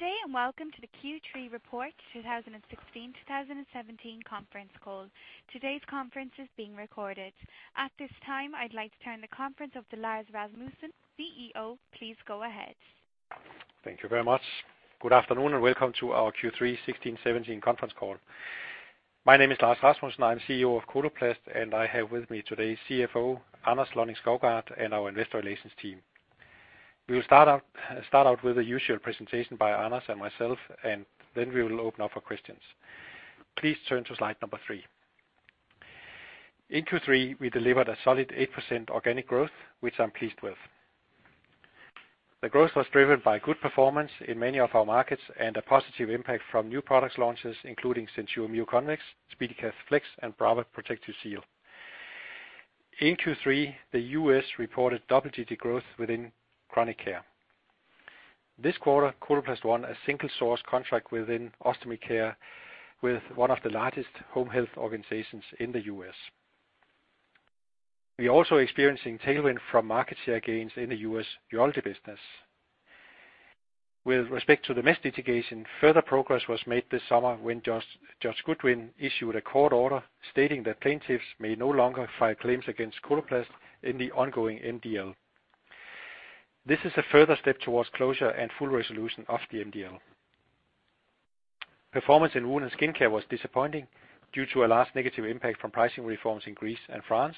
Good day, welcome to the Q3 Report 2016/2017 Conference Call. Today's conference is being recorded. At this time, I'd like to turn the conference over to Lars Rasmussen, CEO. Please go ahead. Thank you very much. Good afternoon, welcome to our Q3 2016-2017 conference call. My name is Lars Rasmussen. I'm CEO of Coloplast. I have with me today CFO Anders Lønning-Skovgaard, and our investor relations team. We will start out with the usual presentation by Anders and myself. We will open up for questions. Please turn to slide number three. In Q3, we delivered a solid 8% organic growth, which I'm pleased with. The growth was driven by good performance in many of our markets, a positive impact from new products launches, including SenSura Mio Convex, SpeediCath Flex, and Brava Protective Seal. In Q3, the U.S. reported double-digit growth within chronic care. This quarter, Coloplast won a single source contract within ostomy care with one of the largest home health organizations in the U.S. We are also experiencing tailwind from market share gains in the U.S. urology business. With respect to the mesh litigation, further progress was made this summer when Judge Goodwin issued a court order stating that plaintiffs may no longer file claims against Coloplast in the ongoing MDL. This is a further step towards closure and full resolution of the MDL. Performance in wound and skin care was disappointing due to a large negative impact from pricing reforms in Greece and France,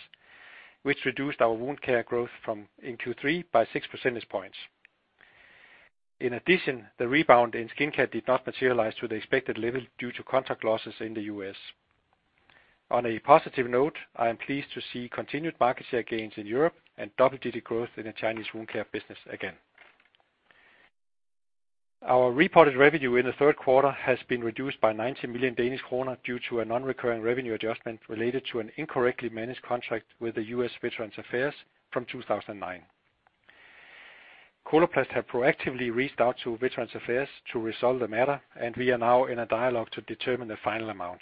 which reduced our wound care growth from in Q3 by 6 percentage points. In addition, the rebound in skin care did not materialize to the expected level due to contract losses in the U.S. On a positive note, I am pleased to see continued market share gains in Europe and double-digit growth in the Chinese wound care business again. Our reported revenue in the third quarter has been reduced by 90 million Danish kroner due to a non-recurring revenue adjustment related to an incorrectly managed contract with the U.S. Veterans Affairs from 2009. Coloplast have proactively reached out to Veterans Affairs to resolve the matter. We are now in a dialogue to determine the final amount.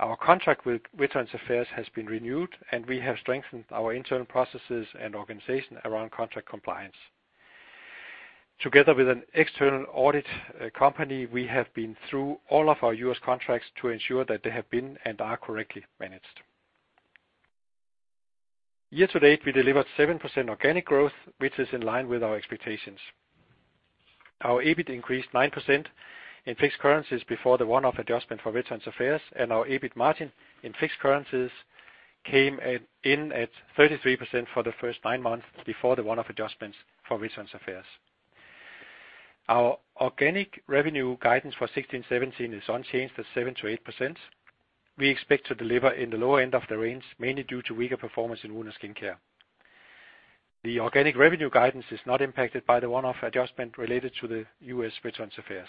Our contract with Veterans Affairs has been renewed. We have strengthened our internal processes and organization around contract compliance. Together with an external audit company, we have been through all of our U.S. contracts to ensure that they have been, and are, correctly managed. Year to date, we delivered 7% organic growth, which is in line with our expectations. Our EBIT increased 9% in fixed currencies before the one-off adjustment for Veterans Affairs, and our EBIT margin in fixed currencies came at 33% for the first nine months before the one-off adjustments for Veterans Affairs. Our organic revenue guidance for 2016-2017 is unchanged at 7%-8%. We expect to deliver in the lower end of the range, mainly due to weaker performance in wound and skin care. The organic revenue guidance is not impacted by the one-off adjustment related to the U.S. Veterans Affairs.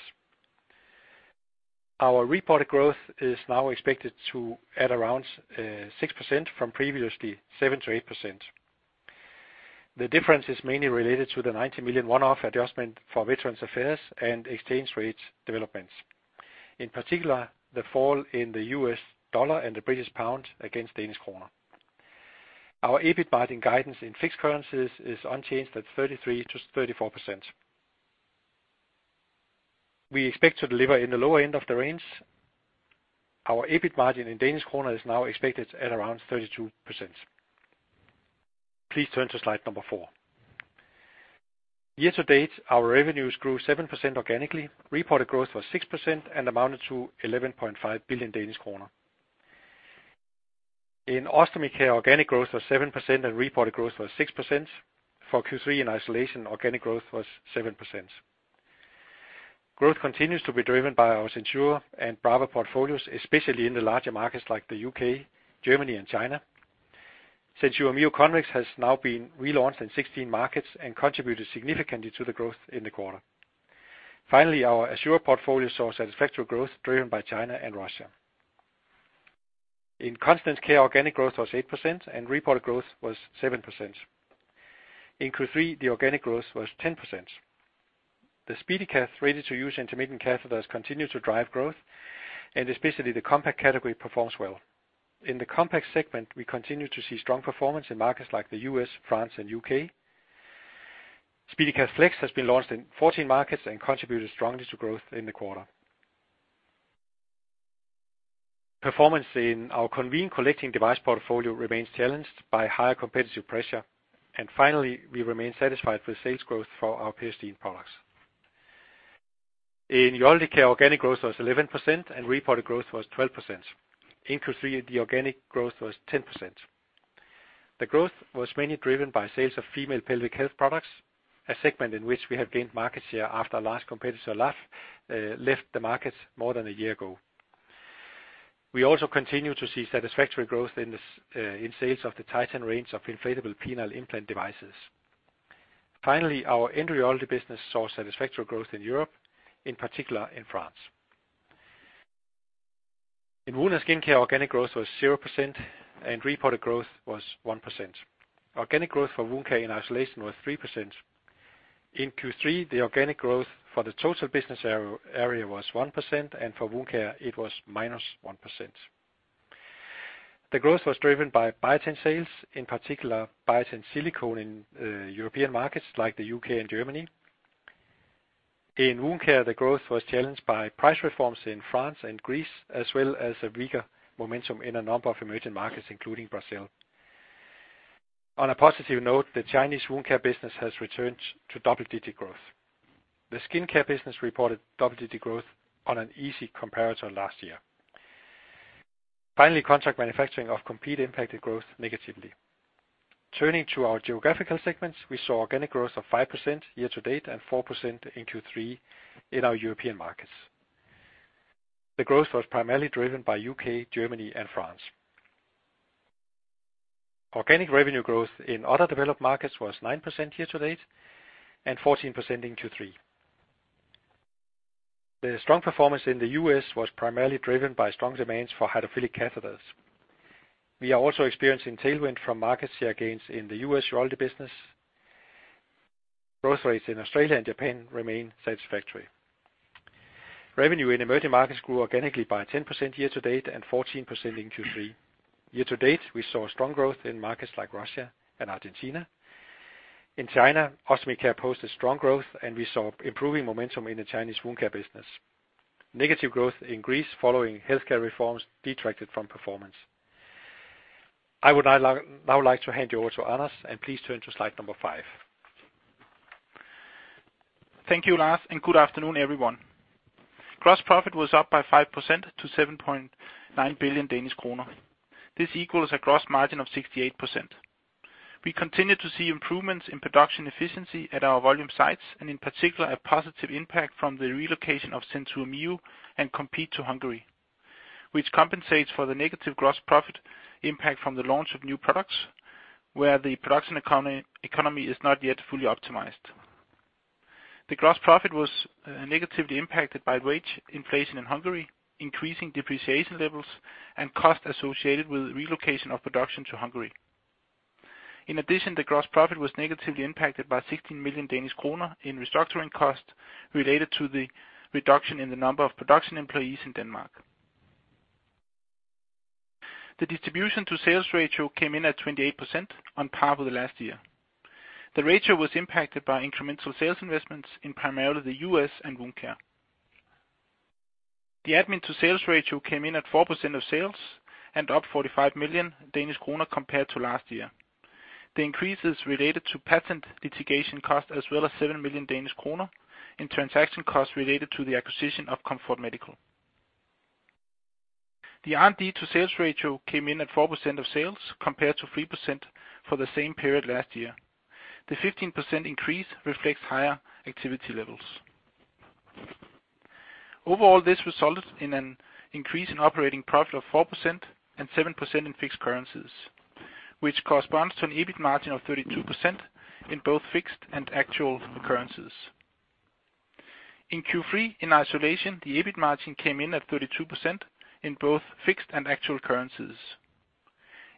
Our reported growth is now expected 6% from previously 7%-8%. The difference is mainly related to the 90 million one-off adjustment for Veterans Affairs and exchange rate developments. In particular, the fall in the U.S. dollar and the British pound against Danish. Our EBIT margin guidance in fixed currencies is unchanged at 33%-34%. We expect to deliver in the lower end of the range. Our EBIT margin in DKK is now expected at around 32%. Please turn to slide number four. Year to date, our revenues grew 7% organically. Reported growth was 6% and amounted to 11.5 billion Danish kroner. In Ostomy Care, organic growth was 7%, and reported growth was 6%. For Q3, in isolation, organic growth was 7%. Growth continues to be driven by our SenSura and Brava portfolios, especially in the larger markets like the U.K., Germany, and China. SenSura Mio Convex has now been relaunched in 16 markets and contributed significantly to the growth in the quarter. Our Assura portfolio saw satisfactory growth driven by China and Russia. In continence care, organic growth was 8% and reported growth was 7%. In Q3, the organic growth was 10%. The SpeediCath ready-to-use intermittent catheters continue to drive growth, and especially the compact category performs well. In the compact segment, we continue to see strong performance in markets like the U.S., France, and U.K. SpeediCath Flex has been launched in 14 markets and contributed strongly to growth in the quarter. Performance in our Conveen collecting device portfolio remains challenged by higher competitive pressure. Finally, we remain satisfied with sales growth for our PST products. In urology care, organic growth was 11%, and reported growth was 12%. In Q3, the organic growth was 10%. The growth was mainly driven by sales of female pelvic health products, a segment in which we have gained market share after our last competitor, Laffe, left the market more than a year ago. We also continue to see satisfactory growth in sales of the Titan range of inflatable penile implant devices. Our end urology business saw satisfactory growth in Europe, in particular in France. In wound and skin care, organic growth was 0%, and reported growth was 1%. Organic growth for wound care in isolation was 3%. In Q3, the organic growth for the total business area was 1%, and for wound care, it was -1%. The growth was driven by Biatain sales, in particular Biatain Silicone in European markets like the U.K. and Germany. In wound care, the growth was challenged by price reforms in France and Greece, as well as a weaker momentum in a number of emerging markets, including Brazil. On a positive note, the Chinese wound care business has returned to double-digit growth. The skin care business reported double-digit growth on an easy comparator last year. Contract manufacturing of Compeed impacted growth negatively. Turning to our geographical segments, we saw organic growth of 5% year to date, and 4% in Q3 in our European markets. The growth was primarily driven by U.K., Germany and France. Organic revenue growth in other developed markets was 9% year to date, and 14% in Q3. The strong performance in the U.S. was primarily driven by strong demands for hydrophilic catheters. We are also experiencing tailwind from market share gains in the U.S. royalty business. Growth rates in Australia and Japan remain satisfactory. Revenue in emerging markets grew organically by 10% year to date, and 14% in Q3. Year to date, we saw strong growth in markets like Russia and Argentina. In China, Ostomy Care posted strong growth, and we saw improving momentum in the Chinese wound care business. Negative growth in Greece following healthcare reforms detracted from performance. I would now like to hand you over to Anders, and please turn to slide number five. Thank you, Lars. Good afternoon, everyone. Gross profit was up by 5% to 7.9 billion Danish kroner. This equals a gross margin of 68%. We continue to see improvements in production efficiency at our volume sites, in particular, a positive impact from the relocation of SenSura Mio and Compeed to Hungary, which compensates for the negative gross profit impact from the launch of new products, where the production economy is not yet fully optimized. The gross profit was negatively impacted by wage inflation in Hungary, increasing depreciation levels and costs associated with relocation of production to Hungary. In addition, the gross profit was negatively impacted by 16 million Danish kroner in restructuring costs related to the reduction in the number of production employees in Denmark. The distribution to sales ratio came in at 28%, on par with the last year. The ratio was impacted by incremental sales investments in primarily the U.S. and wound care. The admin to sales ratio came in at 4% of sales and up 45 million Danish kroner compared to last year. The increase is related to patent litigation costs, as well as 7 million Danish kroner in transaction costs related to the acquisition of Comfort Medical. The R&D to sales ratio came in at 4% of sales, compared to 3% for the same period last year. The 15% increase reflects higher activity levels. Overall, this resulted in an increase in operating profit of 4% and 7% in fixed currencies, which corresponds to an EBIT margin of 32% in both fixed and actual currencies. In Q3, in isolation, the EBIT margin came in at 32% in both fixed and actual currencies.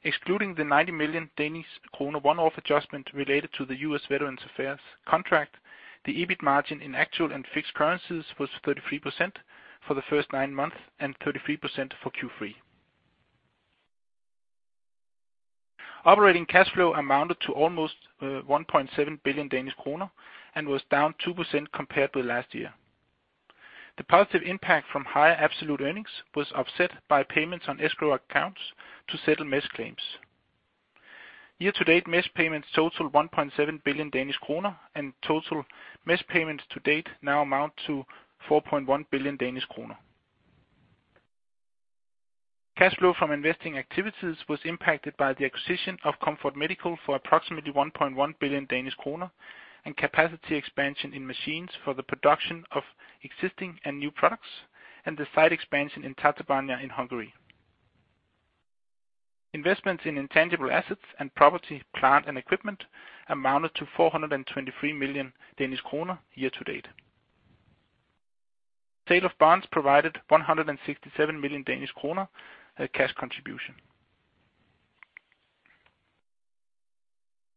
Excluding the 90 million Danish kroner one-off adjustment related to the U.S. Department of Veterans Affairs contract, the EBIT margin in actual and fixed currencies was 33% for the first nine months and 33% for Q3. Operating cash flow amounted to almost 1.7 billion Danish kroner and was down 2% compared with last year. The positive impact from higher absolute earnings was offset by payments on escrow accounts to settle mesh claims. Year to date, mesh payments total 1.7 billion Danish kroner, and total mesh payments to date now amount to 4.1 billion Danish kroner. Cash flow from investing activities was impacted by the acquisition of Comfort Medical for approximately 1.1 billion Danish kroner, and capacity expansion in machines for the production of existing and new products, and the site expansion in Tatabánya in Hungary. Investments in intangible assets and property, plant and equipment amounted to 423 million Danish kroner year to date. Sale of bonds provided 167 million Danish kroner cash contribution.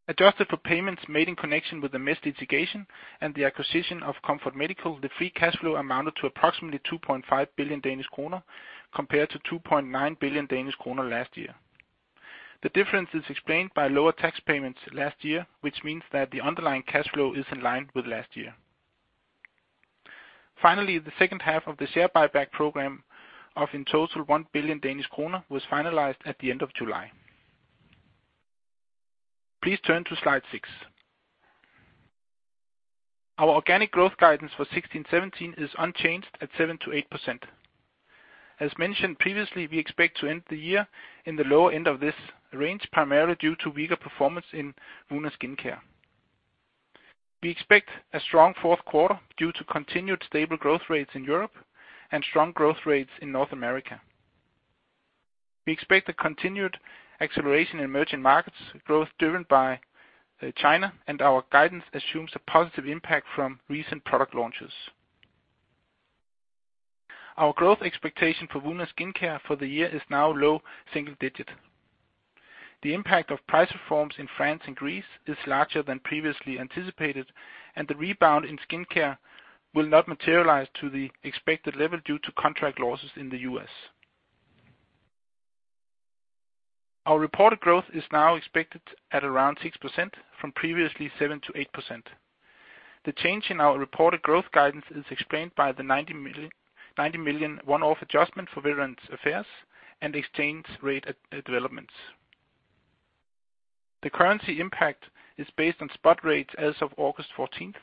Adjusted for payments made in connection with the mesh litigation and the acquisition of Comfort Medical, the free cash flow amounted to approximately 2.5 billion Danish kroner, compared to 2.9 billion Danish kroner last year. The difference is explained by lower tax payments last year, which means that the underlying cash flow is in line with last year. Finally, the second half of the share buyback program of, in total, 1 billion Danish kroner, was finalized at the end of July. Please turn to slide six. Our organic growth guidance for 2016, 2017 is unchanged at 7%-8%. As mentioned previously, we expect to end the year in the lower end of this range, primarily due to weaker performance in wound and skin care. We expect a strong fourth quarter due to continued stable growth rates in Europe and strong growth rates in North America. We expect a continued acceleration in emerging markets, growth driven by China. Our guidance assumes a positive impact from recent product launches. Our growth expectation for wound and skin care for the year is now low single-digit. The impact of price reforms in France and Greece is larger than previously anticipated. The rebound in skin care will not materialize to the expected level due to contract losses in the U.S. Our reported growth is now expected at around 6% from previously 7%-8%. The change in our reported growth guidance is explained by the 90 million one-off adjustment for Veterans Affairs and exchange rate developments. The currency impact is based on spot rates as of 14 August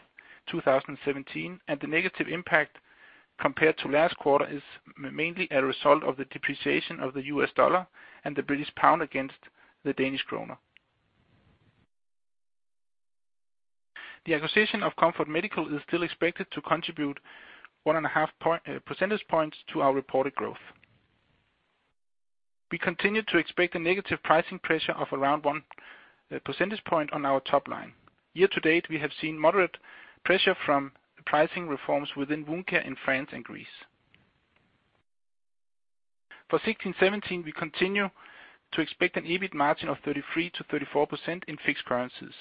2017. The negative impact compared to last quarter is mainly a result of the depreciation of the U.S. dollar and the British pound against the Danish Krone. The acquisition of Comfort Medical is still expected to contribute 1.5 percentage points to our reported growth. We continue to expect a negative pricing pressure of around 1 percentage point on our top line. Year to date, we have seen moderate pressure from pricing reforms within wound care in France and Greece. For 2016-2017, we continue to expect an EBIT margin of 33%-34% in fixed currencies.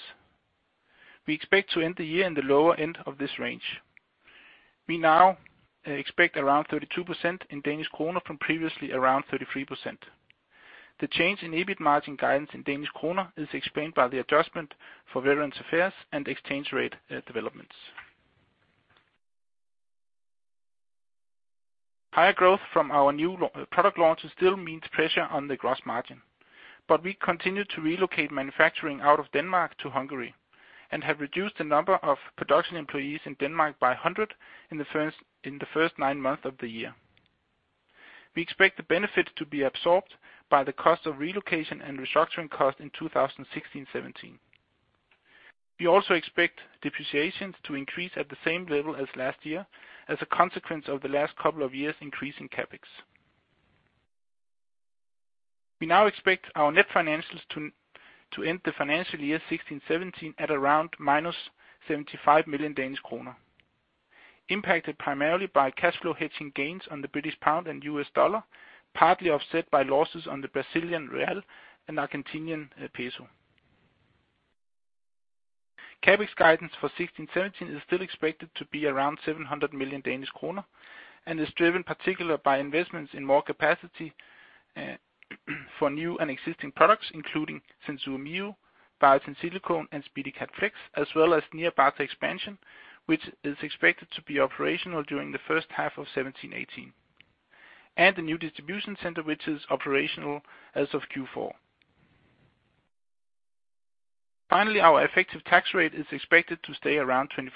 We expect to end the year in the lower end of this range. We now expect around 32% in DKK from previously around 33%. The change in EBIT margin guidance in Danish Kroner is explained by the adjustment for Veterans Affairs and exchange rate developments. Higher growth from our new product launches still means pressure on the gross margin. We continue to relocate manufacturing out of Denmark to Hungary and have reduced the number of production employees in Denmark by 100 in the first nine months of the year. We expect the benefits to be absorbed by the cost of relocation and restructuring costs in 2016, 2017. We also expect depreciations to increase at the same level as last year as a consequence of the last couple of years' increasing CapEx. We now expect our net financials to end the financial year 2016, 2017 at around -75 million Danish kroner, impacted primarily by cash flow hedging gains on the British pound and U.S. dollar, partly offset by losses on the Brazilian real and Argentinian peso. CapEx guidance for 2016, 2017 is still expected to be around 700 million Danish kroner, is driven particularly by investments in more capacity for new and existing products, including SenSura Mio, Biatain Silicone, and SpeediCath Flex, as well as Nyírbátor expansion, which is expected to be operational during the first half of 2017, 2018, and a new distribution center, which is operational as of Q4. Finally, our effective tax rate is expected to stay around 23%.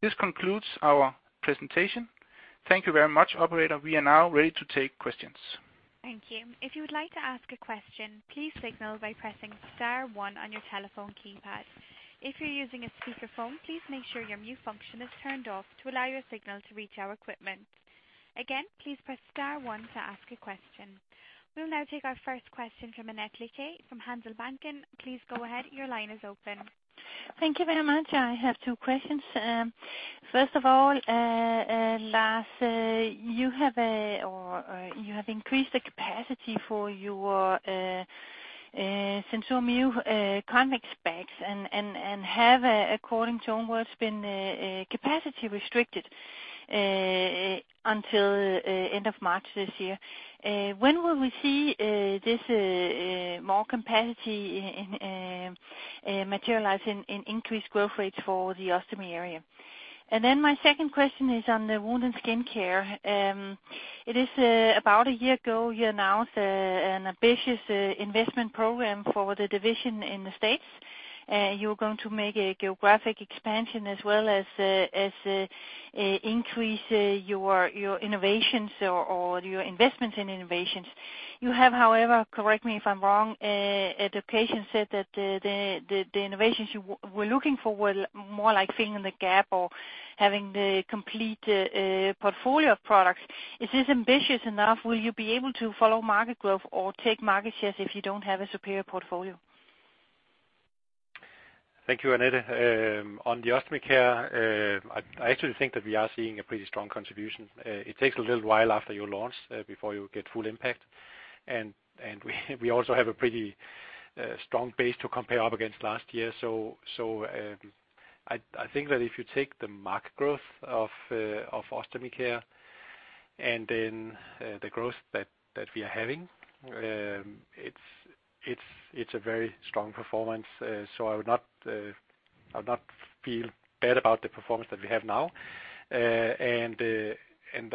This concludes our presentation. Thank you very much, operator. We are now ready to take questions. Thank you. If you would like to ask a question, please signal by pressing star one on your telephone keypad. If you're using a speakerphone, please make sure your mute function is turned off to allow your signal to reach our equipment. Again, please press star one to ask a question. We'll now take our first question from Annette Lykke from Handelsbanken. Please go ahead. Your line is open. Thank you very much. I have two questions. First of all, Lars Rasmussen, you have increased the capacity for your SenSura Mio Convex bags, and have, according to own words, been capacity restricted until end of March this year. When will we see this more capacity materialize in increased growth rates for the ostomy area? My second question is on the wound and skin care. It is about a year ago, you announced an ambitious investment program for the division in the States. You're going to make a geographic expansion as well as increase your innovations or your investments in innovations. You have, however, correct me if I'm wrong, at the patient said that the innovations you were looking for were more like filling in the gap or having the complete portfolio of products. Is this ambitious enough? Will you be able to follow market growth or take market shares if you don't have a superior portfolio? Thank you, Annette. On the Ostomy Care, I actually think that we are seeing a pretty strong contribution. It takes a little while after you launch before you get full impact, and we also have a pretty strong base to compare up against last year. I think that if you take the market growth of Ostomy Care and then the growth that we are having, it's a very strong performance. I would not feel bad about the performance that we have now.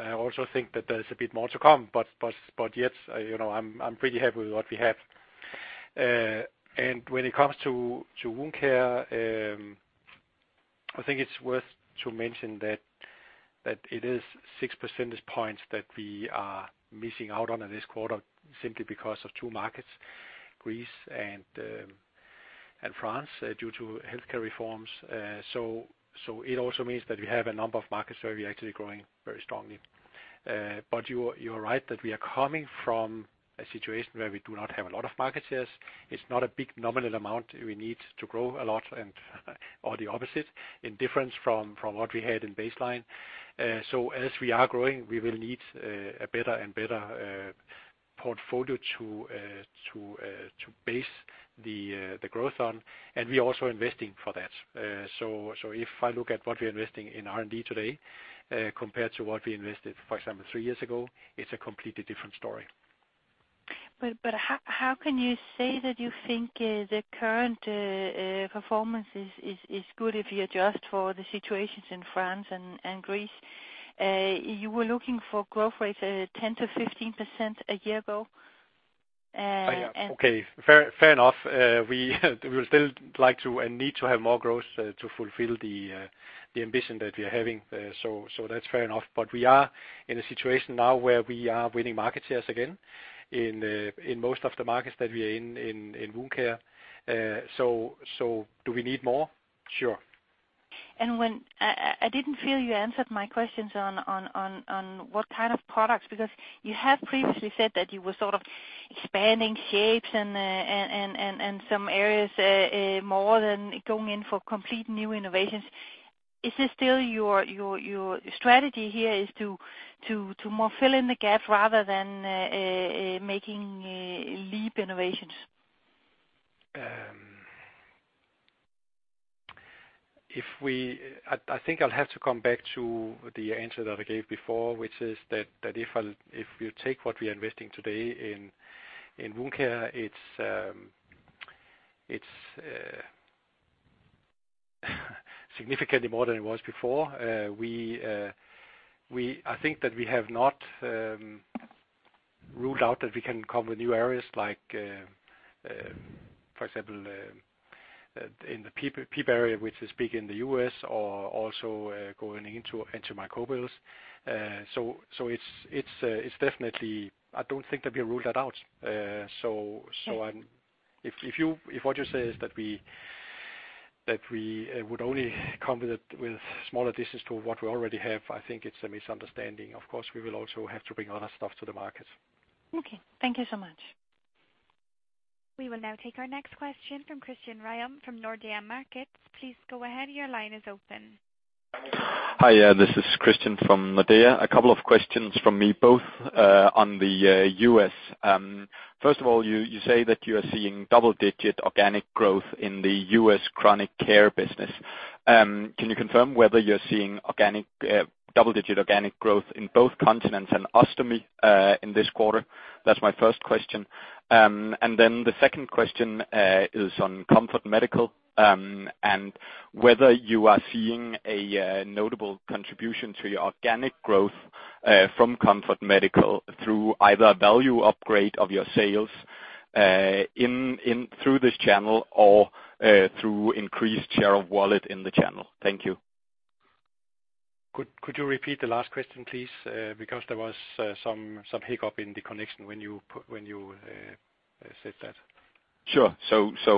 I also think that there's a bit more to come, but yet, you know, I'm pretty happy with what we have. When it comes to wound care, I think it's worth to mention that it is 6 percentage points that we are missing out on in this quarter simply because of two markets, Greece and France, due to healthcare reforms. So it also means that we have a number of markets where we are actually growing very strongly. You are right that we are coming from a situation where we do not have a lot of market shares. It's not a big nominal amount. We need to grow a lot and or the opposite, in difference from what we had in baseline. As we are growing, we will need a better and better portfolio to base the growth on. We're also investing for that. So, if I look at what we're investing in R&D today, compared to what we invested, for example, three years ago, it's a completely different story. How can you say that you think the current performance is good if you adjust for the situations in France and Greece? You were looking for growth rates 10%-15% a year ago. Okay. Fair enough. We would still like to and need to have more growth to fulfill the ambition that we are having. That's fair enough. We are in a situation now where we are winning market shares again in most of the markets that we are in in Wound Care. Do we need more? Sure. I didn't feel you answered my questions on what kind of products, because you have previously said that you were sort of expanding shapes and some areas more than going in for complete new innovations. Is this still your strategy here is to more fill in the gap rather than making leap innovations? I think I'll have to come back to the answer that I gave before, which is that if you take what we are investing today in Wound Care, it's significantly more than it was before. We I think that we have not ruled out that we can come with new areas like, for example, in the P&P area, which is big in the U.S., or also going into antimicrobials. It's definitely. I don't think that we ruled that out... Okay.... If you, if what you say is that we would only come with smaller additions to what we already have, I think it's a misunderstanding. Of course, we will also have to bring other stuff to the market. Okay, thank you so much. We will now take our next question from Christian Ryom from Nordea Markets. Please go ahead. Your line is open. Hi, this is Christian from Nordea. A couple of questions from me, both on the U.S. First of all, you say that you are seeing double-digit organic growth in the U.S. chronic care business. Can you confirm whether you're seeing organic double-digit organic growth in both continents and ostomy in this quarter? That's my first question. The second question is on Comfort Medical, and whether you are seeing a notable contribution to your organic growth from Comfort Medical through either a value upgrade of your sales through this channel or through increased share of wallet in the channel? Thank you. Could you repeat the last question, please? Because there was some hiccup in the connection when you said that. Sure.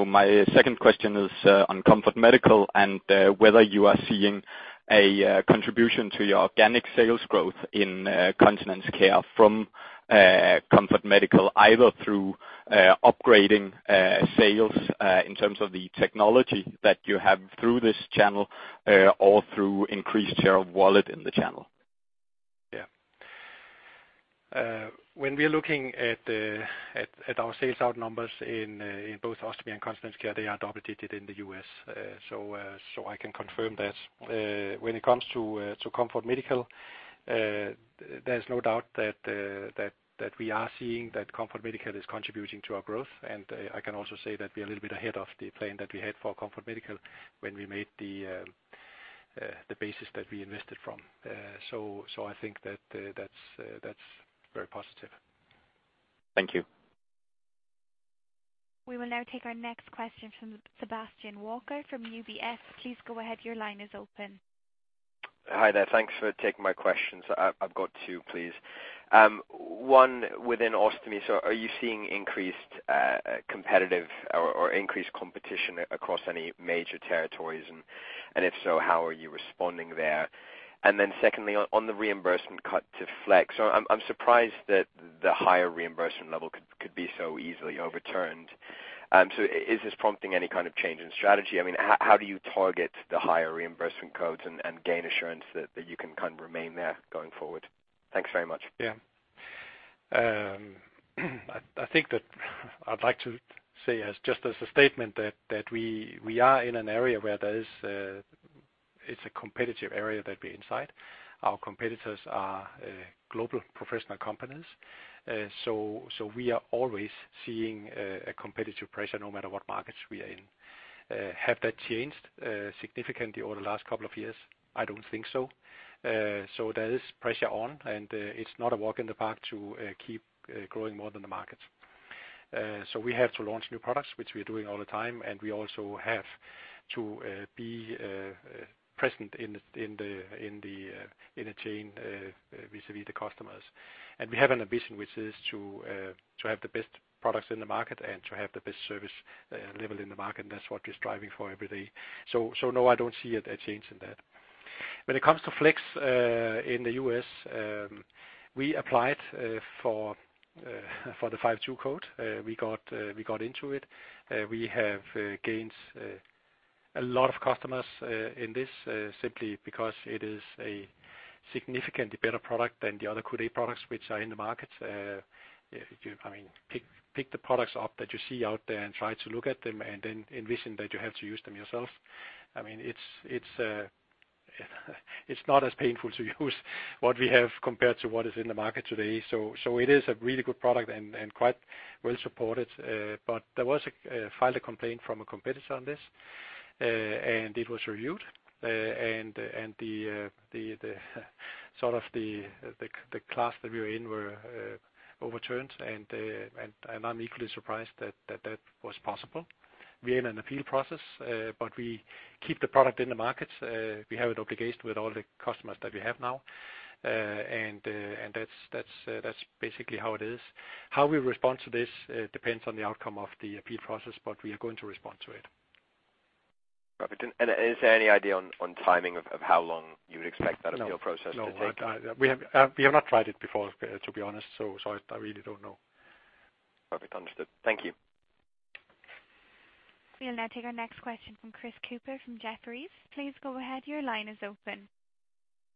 My second question is on Comfort Medical, and whether you are seeing a contribution to your organic sales growth in continence care from Comfort Medical, either through upgrading sales in terms of the technology that you have through this channel or through increased share of wallet in the channel? When we are looking at our sales out numbers in both ostomy and continence care, they are double digits in the U.S. I can confirm that. When it comes to Comfort Medical, there's no doubt that we are seeing that Comfort Medical is contributing to our growth. I can also say that we're a little bit ahead of the plan that we had for Comfort Medical when we made the basis that we invested from. I think that that's very positive. Thank you. We will now take our next question from Sebastian Walker from UBS. Please go ahead. Your line is open. Hi there. Thanks for taking my questions. I've got two, please. One, within ostomy, so are you seeing increased competitive or increased competition across any major territories? And if so, how are you responding there? Secondly, on the reimbursement cut to Flex, I'm surprised that the higher reimbursement level could be so easily overturned. Is this prompting any kind of change in strategy? I mean, how do you target the higher reimbursement codes and gain assurance that you can kind of remain there going forward? Thanks very much. Yeah. I think that I'd like to say as, just as a statement, that we are in an area where there is, it's a competitive area that we're inside. Our competitors are global professional companies. We are always seeing a competitive pressure no matter what markets we are in. Have that changed significantly over the last couple of years? I don't think so. There is pressure on, it's not a walk in the park to keep growing more than the markets. We have to launch new products, which we are doing all the time, and we also have to be present in the chain vis-a-vis the customers. We have an ambition, which is to to have the best products in the market and to have the best service level in the market. That's what we're striving for every day. No, I don't see a change in that. When it comes to Flex, in the U.S., we applied for for the A4352 code. We got into it. We have gained a lot of customers in this simply because it is a significantly better product than the other coudé products which are in the market. If you, I mean, pick the products up that you see out there and try to look at them, and then envision that you have to use them yourself. I mean, it's, it's not as painful to use what we have compared to what is in the market today. It is a really good product and quite well supported. There was a filed a complaint from a competitor on this, and it was reviewed. The class that we were in were overturned, and I'm equally surprised that that was possible. We are in an appeal process, we keep the product in the market. We have an obligation with all the customers that we have now, and that's basically how it is. How we respond to this depends on the outcome of the appeal process, but we are going to respond to it. Perfect. Is there any idea on timing of how long you would expect that appeal process to take? No, I, we have not tried it before, to be honest, so I really don't know. Perfect. Understood. Thank you. We'll now take our next question from Chris Cooper from Jefferies. Please go ahead. Your line is open.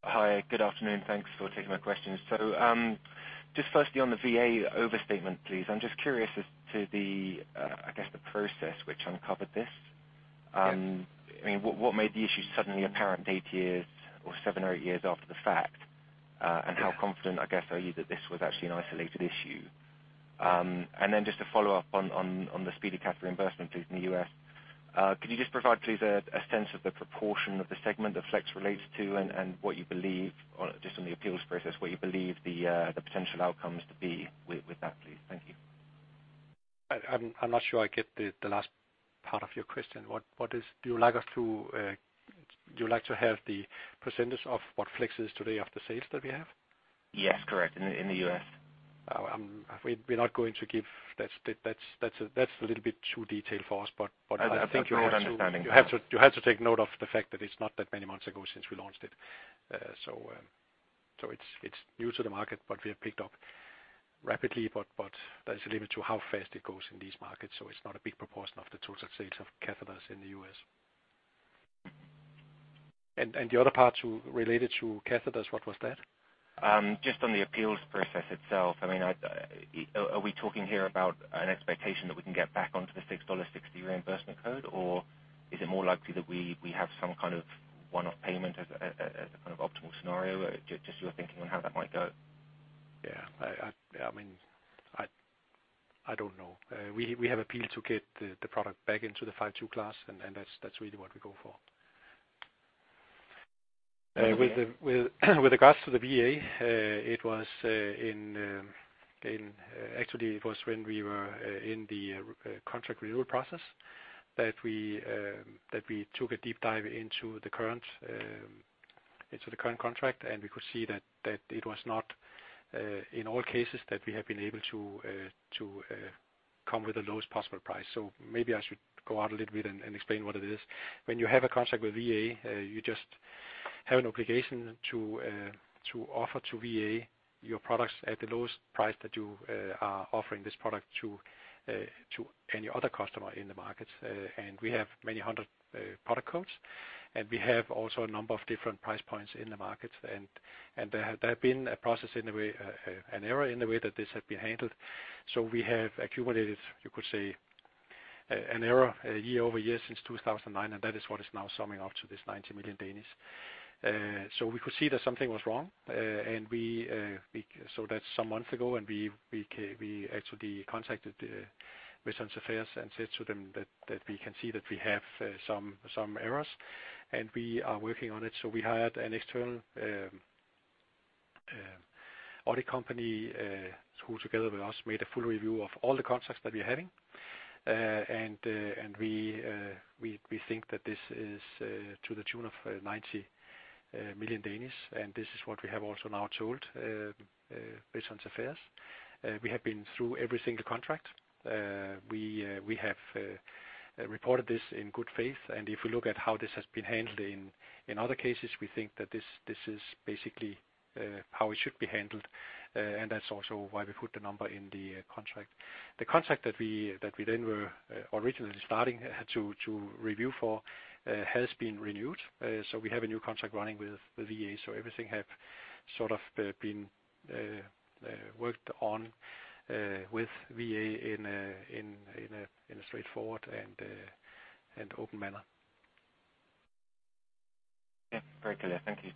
Hi, good afternoon. Thanks for taking my questions. Just firstly, on the VA overstatement, please. I'm just curious as to the, I guess, the process which uncovered this. Yes. I mean, what made the issue suddenly apparent eight years or seven or eight years after the fact? Yeah. How confident, I guess, are you that this was actually an isolated issue? Then just to follow up on the SpeediCath reimbursement please, in the U.S. Could you just provide, please, a sense of the proportion of the segment that Flex relates to, and what you believe, or just on the appeals process, what you believe the potential outcome is to be with that, please? Thank you. I'm not sure I get the last part of your question. What is, do you like to have the percentage of what Flex is today of the sales that we have? Yes, correct, in the U.S. Oh, we're not going to give... That's a little bit too detailed for us, but I think you have to... I understand.... You have to, you have to take note of the fact that it's not that many months ago since we launched it. It's, it's new to the market, but we have picked up rapidly. There's a limit to how fast it goes in these markets, so it's not a big proportion of the total sales of catheters in the U.S. The other part to, related to catheters, what was that? Just on the appeals process itself, I mean, I, are we talking here about an expectation that we can get back onto the $6.60 reimbursement code? Or is it more likely that we have some kind of one-off payment as a kind of optimal scenario? Just your thinking on how that might go. Yeah, I mean, I don't know. We have appealed to get the product back into the 5-2 class, and that's really what we go for. And the... With regards to the VA, it was in, actually it was when we were in the contract renewal process that we took a deep dive into the current contract. We could see that it was not in all cases, that we have been able to come with the lowest possible price. Maybe I should go out a little bit and explain what it is. When you have a contract with VA, you just have an obligation to offer to VA your products at the lowest price that you are offering this product to any other customer in the market. We have many 100 product codes, we have also a number of different price points in the market. There have been a process in the way, an error in the way that this has been handled, we have accumulated, you could say, an error year-over-year since 2009, that is what is now summing up to this 90 million. We could see that something was wrong, that's some months ago, we actually contacted Veterans Affairs and said to them that we can see that we have errors, we are working on it. We hired an external audit company who together with us, made a full review of all the contracts that we're having. We think that this is to the tune of 90 million, and this is what we have also now told Veterans Affairs. We have been through every single contract. We have reported this in good faith, and if you look at how this has been handled in other cases, we think that this is basically how it should be handled, and that's also why we put the number in the contract. The contract that we then were originally starting to review for has been renewed. We have a new contract running with the VA, everything have sort of been worked on with VA in a straightforward and open manner. Yeah, very clear. Thank you.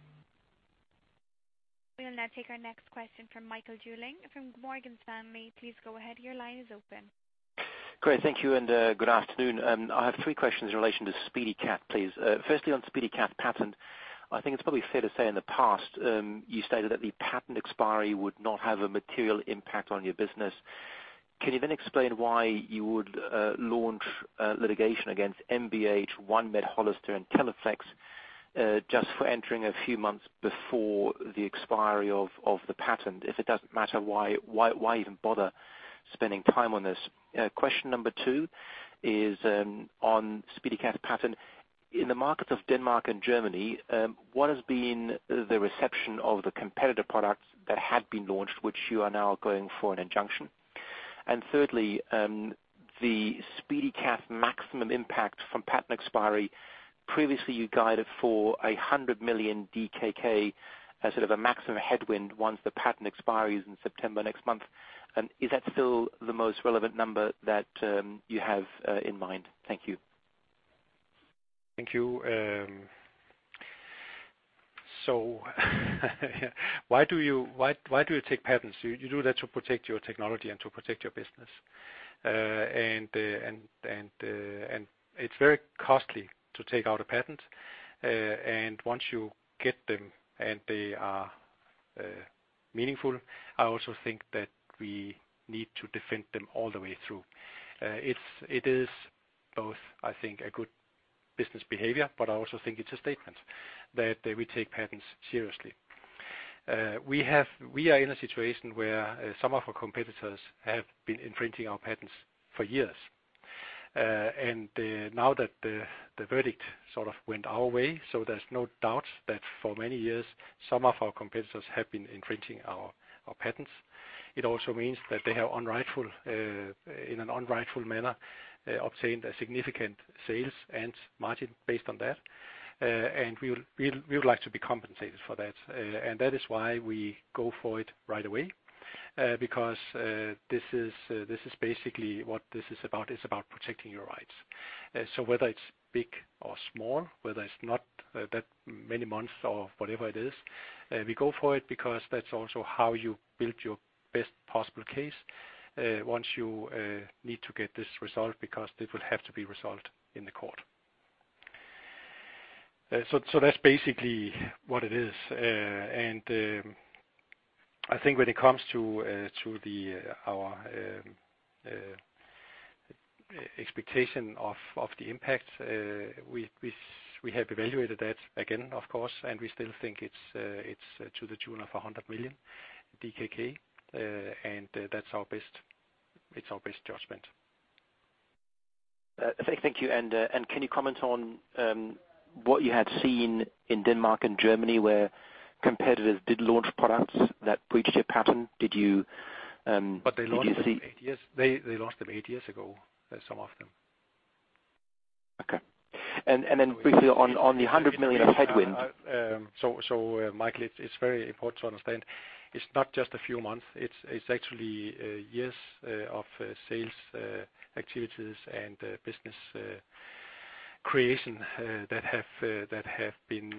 We will now take our next question from Michael Leuchten from Morgan Stanley. Please go ahead. Your line is open. Great. Thank you. Good afternoon. I have three questions in relation to SpeediCath, please. Firstly, on SpeediCath patent, I think it's probably fair to say in the past, you stated that the patent expiry would not have a material impact on your business. Can you explain why you would launch litigation against MBH, OneMed, Hollister, and Teleflex, just for entering a few months before the expiry of the patent? If it doesn't matter, why even bother spending time on this? Question number two is on SpeediCath patent. In the markets of Denmark and Germany, what has been the reception of the competitive products that had been launched, which you are now going for an injunction? Thirdly, the SpeediCath maximum impact from patent expiry. Previously, you guided for 100 million DKK as sort of a maximum headwind once the patent expires in September next month. Is that still the most relevant number that you have in mind? Thank you. Thank you. Why do you take patents? You do that to protect your technology and to protect your business. It's very costly to take out a patent. Once you get them, and they are meaningful, I also think that we need to defend them all the way through. It's, it is both, I think, a good business behavior, but I also think it's a statement that we take patents seriously. We are in a situation where some of our competitors have been infringing our patents for years. Now that the verdict sort of went our way, there's no doubt that for many years, some of our competitors have been infringing our patents. It also means that they have unrightful, in an unrightful manner, obtained a significant sales and margin based on that. We would like to be compensated for that. That is why we go for it right away, because this is basically what this is about. It's about protecting your rights. Whether it's big or small, whether it's not that many months or whatever it is, we go for it because that's also how you build your best possible case, once you need to get this resolved, because this will have to be resolved in the court. That's basically what it is. I think when it comes to our expectation of the impact, we have evaluated that again, of course, and we still think it's to the tune of 100 million DKK, and that's our best, it's our best judgment. Thank you. Can you comment on what you had seen in Denmark and Germany, where competitors did launch products that breached your patent? Did you? They launched them eight years ago, some of them. Okay. Then briefly on the 100 million of headwind? Michael, it's very important to understand, it's not just a few months, it's actually years of sales activities and business creation that have been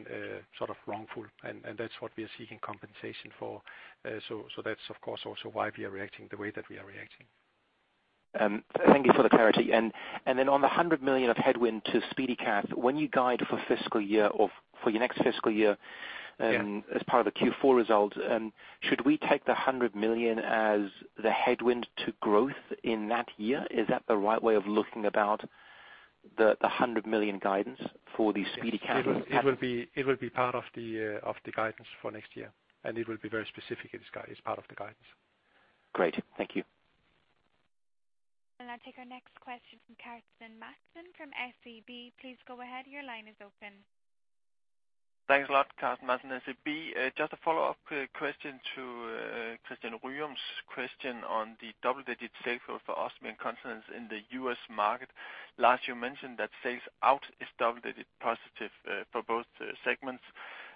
sort of wrongful, and that's what we are seeking compensation for. That's, of course, also why we are reacting the way that we are reacting. Thank you for the clarity. On the 100 million of headwind to SpeediCath, when you guide for fiscal year or for your next fiscal year... Yeah ... as part of the Q4 results, should we take 100 million as the headwind to growth in that year? Is that the right way of looking about the 100 million guidance for the SpeediCath? It will be part of the of the guidance for next year, and it will be very specific as part of the guidance. Great. Thank you. I'll now take our next question from Carsten Madsen from SEB. Please go ahead. Your line is open. Thanks a lot, Carsten Madsen, SEB. Just a follow-up question to Christian Ryom's question on the double-digit sales for Ostomy Care and continence in the U.S. market. Last you mentioned that sales out is double-digit positive for both segments.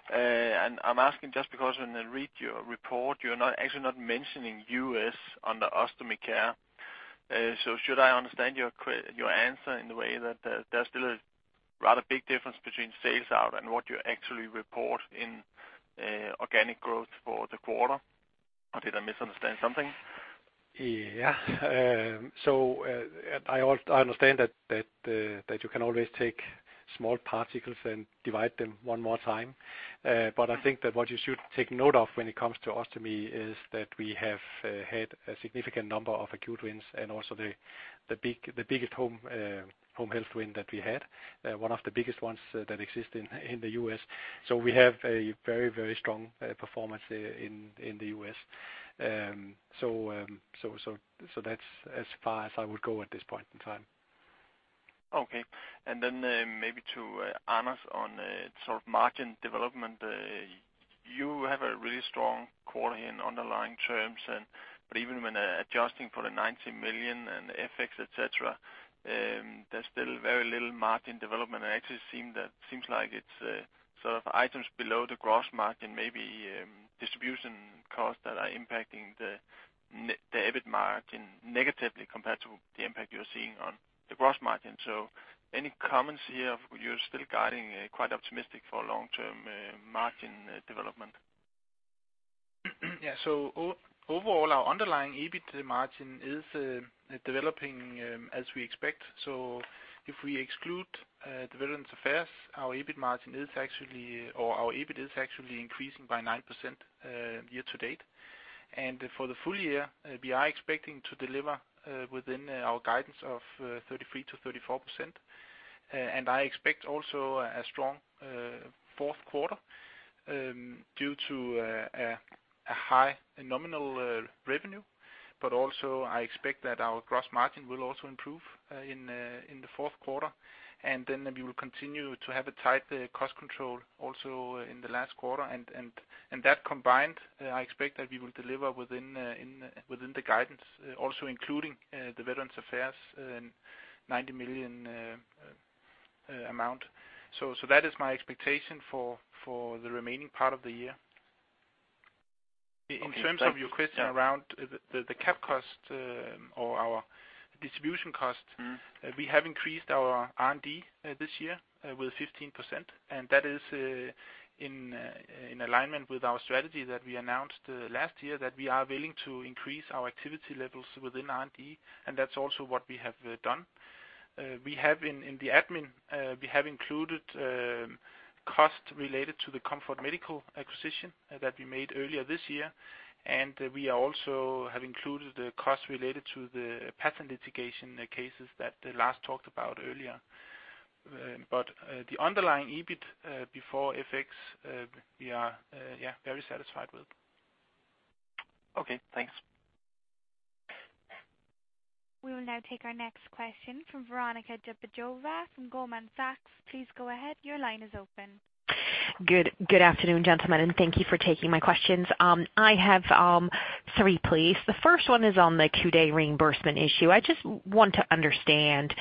And I'm asking just because when I read your report, you're not, actually not mentioning U.S. on the Ostomy Care. So should I understand your answer in the way that there's still a rather big difference between sales out and what you actually report in organic growth for the quarter? Or did I misunderstand something? I understand that you can always take small particles and divide them one more time. I think that what you should take note of when it comes to ostomy is that we have had a significant number of acute wins and also the biggest home health win that we had, one of the biggest ones that exist in the U.S. We have a very strong performance in the U.S. That's as far as I would go at this point in time. Okay. Then maybe to Anders on sort of margin development. You have a really strong quarter in underlying terms and, but even when adjusting for the 90 million and FX, et cetera, there's still very little margin development. It actually seem that, seems like it's sort of items below the gross margin, maybe, distribution costs that are impacting the net, the EBIT margin negatively compared to the impact you're seeing on the gross margin. Any comments here? You're still guiding quite optimistic for long-term margin development. Yeah. Overall, our underlying EBIT margin is developing as we expect. If we exclude Veterans Affairs, our EBIT is actually increasing by 9% year to date. For the full year, we are expecting to deliver within our guidance of 33%-34%. I expect also a strong fourth quarter due to a high nominal revenue, also I expect that our gross margin will also improve in the fourth quarter, and we will continue to have a tight cost control also in the last quarter. That combined, I expect that we will deliver within the guidance, also including the Veterans Affairs and 90 million amount. That is my expectation for the remaining part of the year. In terms of your question around the cap cost, or our distribution cost, we have increased our R&D this year with 15%, and that is in alignment with our strategy that we announced last year, that we are willing to increase our activity levels within R&D, and that's also what we have done. We have in the admin, we have included cost related to the Comfort Medical acquisition that we made earlier this year. We also have included the costs related to the patent litigation cases that Lars talked about earlier. The underlying EBIT before FX, we are, yeah, very satisfied with. Okay, thanks. We will now take our next question from Veronika Dubajova from Goldman Sachs. Please go ahead. Your line is open. Good afternoon, gentlemen. Thank you for taking my questions. I have three, please. The first one is on the [inaudible] reimbursement issue. I just want to understand,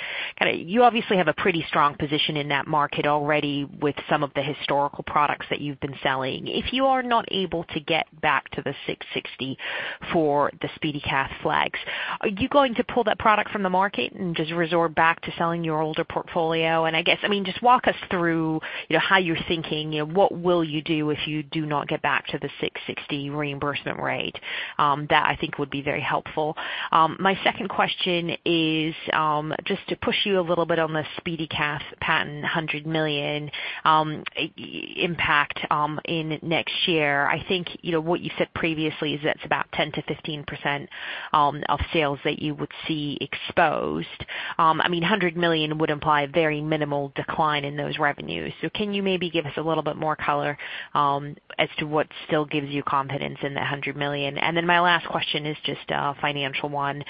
you obviously have a pretty strong position in that market already with some of the historical products that you've been selling. If you are not able to get back to the $6.60 for the SpeediCath Flex, are you going to pull that product from the market and just resort back to selling your older portfolio? I guess, I mean, just walk us through, you know, how you're thinking and what will you do if you do not get back to the $6.60 reimbursement rate? That I think would be very helpful. My second question is just to push you a little bit on the SpeediCath patent 100 million impact in next year. I think, you know, what you said previously is that's about 10%-15% of sales that you would see exposed. I mean, 100 million would imply a very minimal decline in those revenues. Can you maybe give us a little bit more color as to what still gives you confidence in the 100 million? My last question is just a financial one.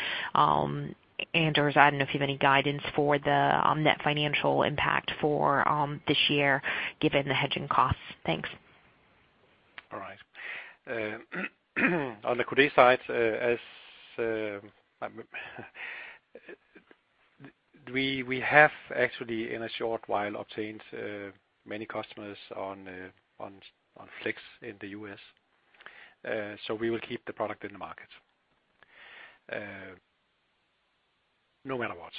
Anders, I don't know if you have any guidance for the net financial impact for this year, given the hedging costs. Thanks. All right. On the Q-code side, as we have actually, in a short while, obtained many customers on Flex in the U.S. We will keep the product in the market, no matter what.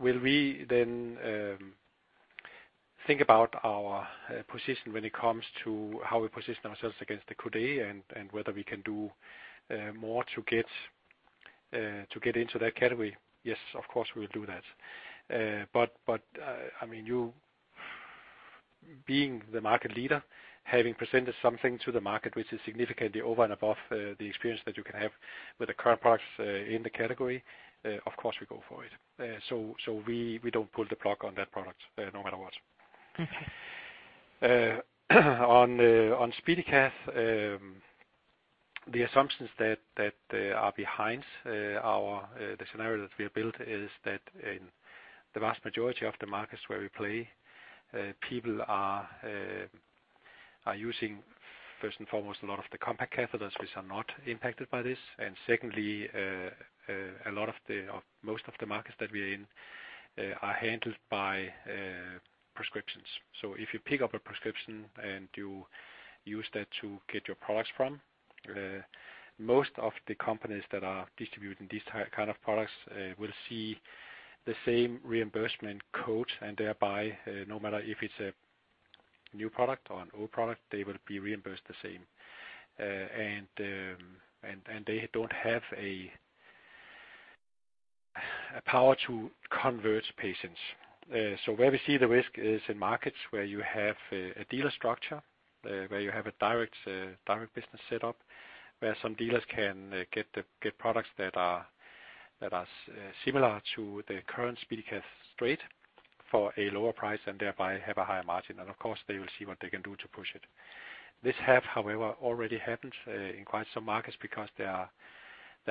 Will we then think about our position when it comes to how we position ourselves against the Q-code and whether we can do more to get into that category? Yes, of course, we'll do that. I mean, you being the market leader, having presented something to the market which is significantly over and above the experience that you can have with the current products in the category, of course, we go for it. We don't pull the plug on that product, no matter what. On SpeediCath, the assumptions that are behind our the scenario that we have built is that in the vast majority of the markets where we play, people are using, first and foremost, a lot of the compact catheters, which are not impacted by this. Secondly, a lot of the, or most of the markets that we are in, are handled by prescriptions. If you pick up a prescription and you use that to get your products from, most of the companies that are distributing these kind of products, will see the same reimbursement code, and thereby, no matter if it's a new product or an old product, they will be reimbursed the same. And they don't have a power to convert patients. Where we see the risk is in markets where you have a dealer structure, where you have a direct business set up, where some dealers can get products that are similar to the current SpeediCath straight for a lower price, and thereby have a higher margin. Of course, they will see what they can do to push it. This have, however, already happened in quite some markets because there are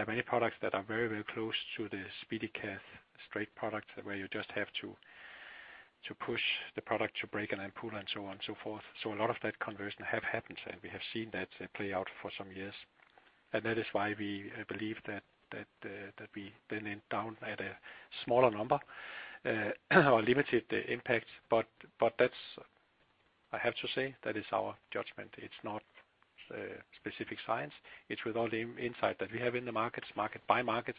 many products that are very, very close to the SpeediCath straight product, where you just have to push the product to break and then pull, and so on and so forth. A lot of that conversion have happened, and we have seen that play out for some years. That is why we believe that we then end down at a smaller number or limited the impact. That's. I have to say, that is our judgment. It's not specific science. It's with all the insight that we have in the markets, market by market,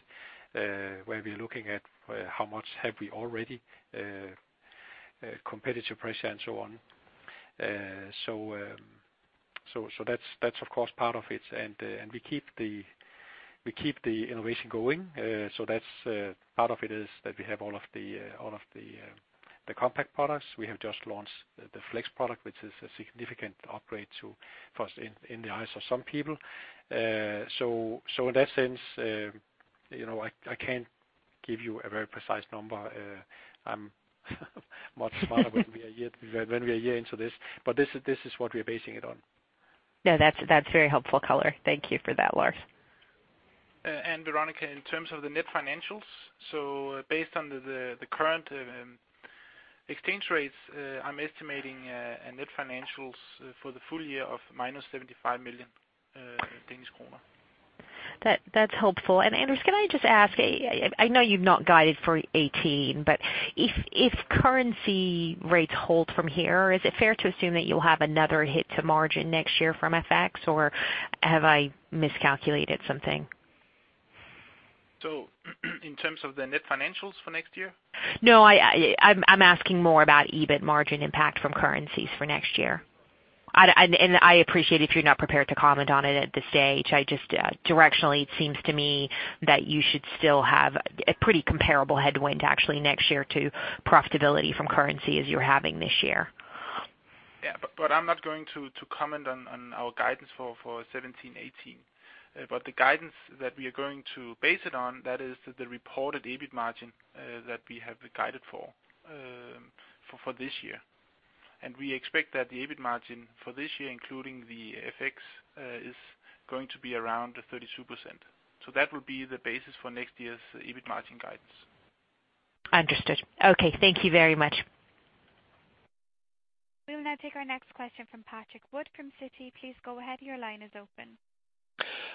where we're looking at how much have we already competitive pressure and so on. That's, of course, part of it. We keep the innovation going. That's part of it, is that we have all of the compact products. We have just launched the Flex product, which is a significant upgrade to first in the eyes of some people. In that sense, you know, I can't give you a very precise number. I'm much smarter when we are a year into this, but this is what we're basing it on. That's very helpful color. Thank you for that, Lars. Veronika, in terms of the net financials, based on the current exchange rates, I'm estimating a net financials for the full year of -75 million Danish kroner. That's helpful. Anders, can I just ask, I know you've not guided for 2018, but if currency rates hold from here, is it fair to assume that you'll have another hit to margin next year from FX, or have I miscalculated something? In terms of the net financials for next year? No, I'm asking more about EBIT margin impact from currencies for next year. I'd, and I appreciate if you're not prepared to comment on it at this stage. I just, directionally, it seems to me that you should still have a pretty comparable headwind actually next year to profitability from currency as you're having this year. Yeah, but I'm not going to comment on our guidance for 2017-2018. The guidance that we are going to base it on, that is the reported EBIT margin that we have guided for this year. We expect that the EBIT margin for this year, including the FX, is going to be around 32%. That will be the basis for next year's EBIT margin guidance. Understood. Okay, thank you very much. We will now take our next question from Patrick Wood from Citi. Please go ahead. Your line is open.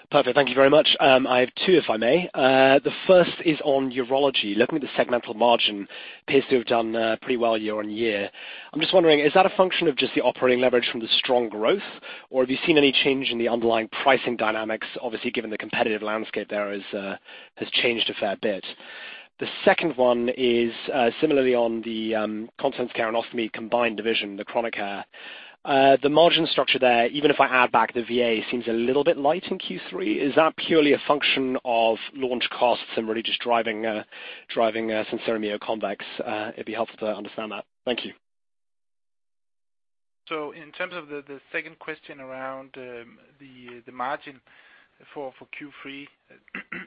Perfect. Thank you very much. I have two, if I may. The first is on urology. Looking at the segmental margin, appears to have done pretty well year-on-year. I'm just wondering, is that a function of just the operating leverage from the strong growth, or have you seen any change in the underlying pricing dynamics, obviously, given the competitive landscape there is has changed a fair bit? The second one is similarly on the Continence Care and Ostomy combined division, the chronic care. The margin structure there, even if I add back the VA, seems a little bit light in Q3. Is that purely a function of launch costs and really just driving SenSura Mio Convex? It'd be helpful to understand that. Thank you. In terms of the second question around, the margin for Q3,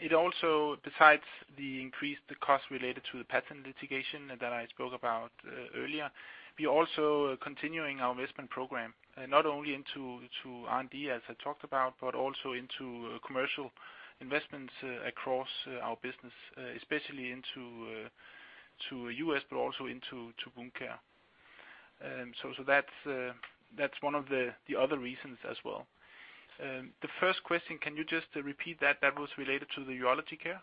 it also, besides the increased cost related to the patent litigation that I spoke about earlier, we're also continuing our investment program, not only into R&D, as I talked about, but also into commercial investments across our business, especially into U.S., but also into wound care. That's one of the other reasons as well. The first question, can you just repeat that? That was related to the Urology Care?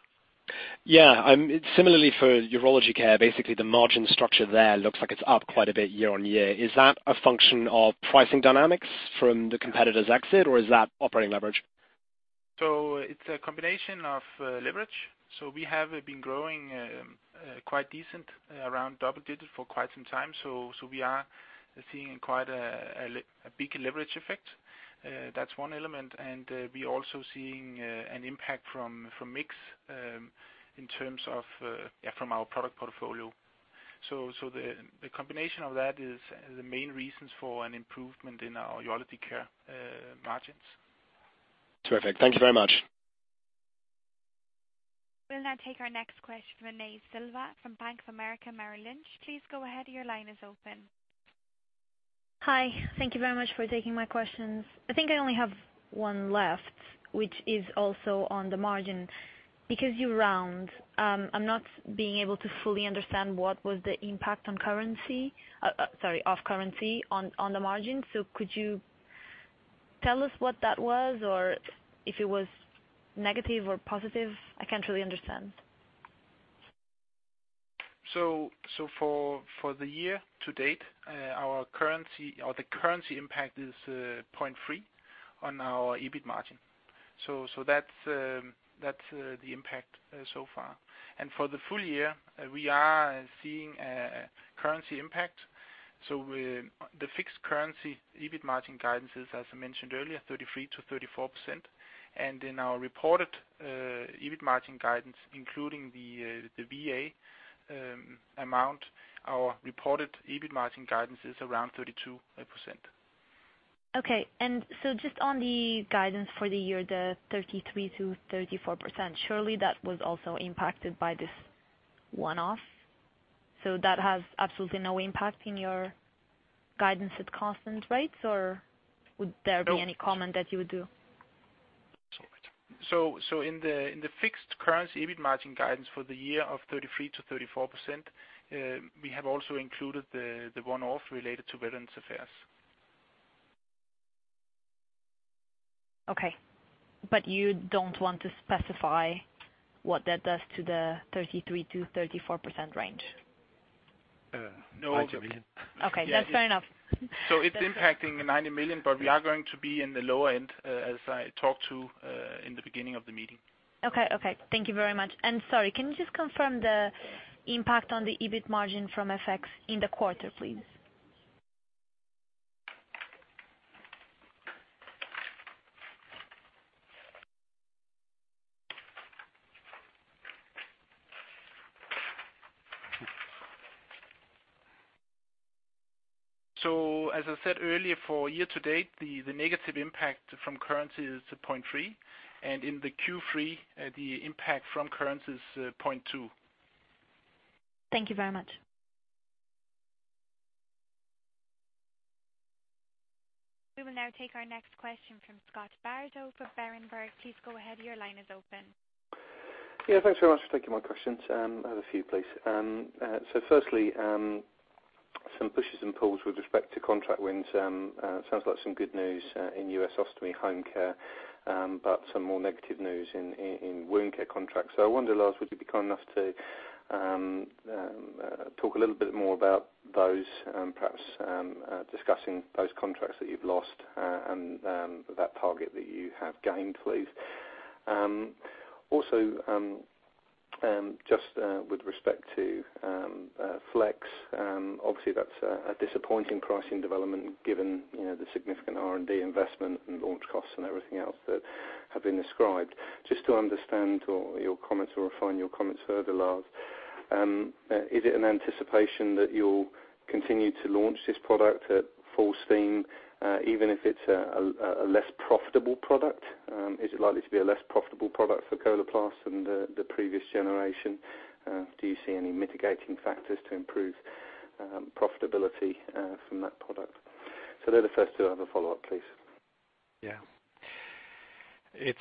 Yeah, similarly for Urology Care, basically, the margin structure there looks like it's up quite a bit year-on-year. Is that a function of pricing dynamics from the competitor's exit, or is that operating leverage? It's a combination of leverage. We have been growing quite decent, around double digits for quite some time. We are seeing quite a big leverage effect. That's one element, and we're also seeing an impact from mix in terms of, yeah, from our product portfolio. The combination of that is the main reasons for an improvement in our Urology Care margins. Terrific. Thank you very much. We'll now take our next question from Inês Silva from Bank of America Merrill Lynch. Please go ahead. Your line is open. Hi. Thank you very much for taking my questions. I think I only have one left, which is also on the margin. You round, I'm not being able to fully understand what was the impact on currency, sorry, of currency on the margin. Could you tell us what that was, or if it was negative or positive? I can't really understand. For the year to date, our currency, or the currency impact is 0.3 of our EBIT margin. That's the impact so far. For the full year, we are seeing a currency impact, so the fixed currency EBIT margin guidance is, as I mentioned earlier, 33%-34%. In our reported EBIT margin guidance, including the VA amount, our reported EBIT margin guidance is around 32%. Okay. Just on the guidance for the year, the 33%-34%, surely that was also impacted by this one-off? That has absolutely no impact in your guidance at constant rates, or would there be any comment that you would do? In the fixed currency EBIT margin guidance for the year of 33%-34%, we have also included the one-off related to Veterans Affairs. Okay, you don't want to specify what that does to the 33%-34% range? No. Okay, that's fair enough. It's impacting the 90 million. We are going to be in the lower end, as I talked to in the beginning of the meeting. Okay. Okay, thank you very much. Sorry, can you just confirm the impact on the EBIT margin from FX in the quarter, please? As I said earlier, for year to date, the negative impact from currency is 0.3, and in the Q3, the impact from currency is 0.2. Thank you very much. We will now take our next question from Scott Bardo with Berenberg. Please go ahead. Your line is open. Yeah, thanks very much for taking my questions. I have a few, please. Firstly, some pushes and pulls with respect to contract wins. Sounds like some good news in U.S. Ostomy Home Care, but some more negative news in wound care contracts. I wonder, Lars, would you be kind enough to talk a little bit more about those and perhaps discussing those contracts that you've lost and that target that you have gained, please? Just with respect to Flex, obviously that's a disappointing pricing development, given, you know, the significant R&D investment and launch costs and everything else that have been described. Just to understand or your comments or refine your comments further, Lars, is it an anticipation that you'll continue to launch this product at full steam, even if it's a less profitable product? Is it likely to be a less profitable product for Coloplast than the previous generation? Do you see any mitigating factors to improve profitability from that product? They're the first two. I have a follow-up, please. Yeah. It's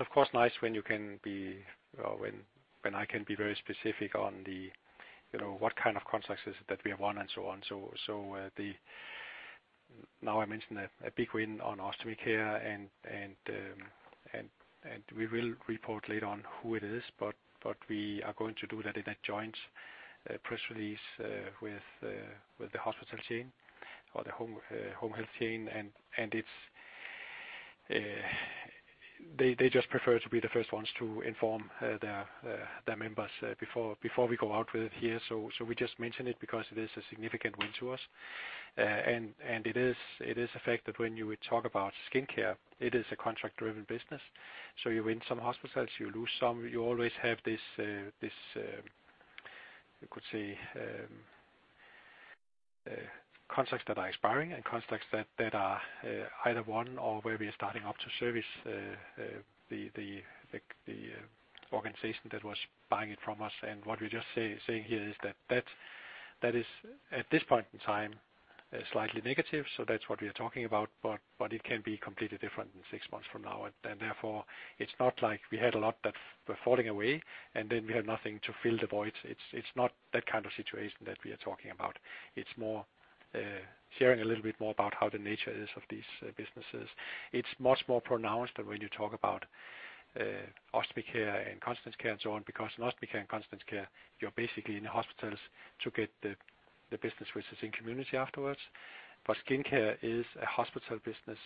of course nice when I can be very specific on the, you know, what kind of contracts is it that we have won and so on. Now, I mentioned a big win on Ostomy Care and we will report later on who it is, but we are going to do that in a joint press release with the hospital chain or the home home health chain. It's, they just prefer to be the first ones to inform their members before we go out with it here. We just mention it because it is a significant win to us. It is a fact that when you talk about skin care, it is a contract-driven business. You win some hospitals, you lose some, you always have this, you could say, contracts that are expiring and contracts that are either one or where we are starting up to service the organization that was buying it from us. What we're just saying here is that is, at this point in time, slightly negative. That's what we are talking about. It can be completely different in six months from now. Therefore, it's not like we had a lot that were falling away, and then we have nothing to fill the void. It's not that kind of situation that we are talking about. It's more sharing a little bit more about how the nature is of these businesses. It's much more pronounced when you talk about Ostomy Care and continence care and so on, because in Ostomy Care and continence care, you're basically in hospitals to get the business, which is in community afterwards. Skin care is a hospital business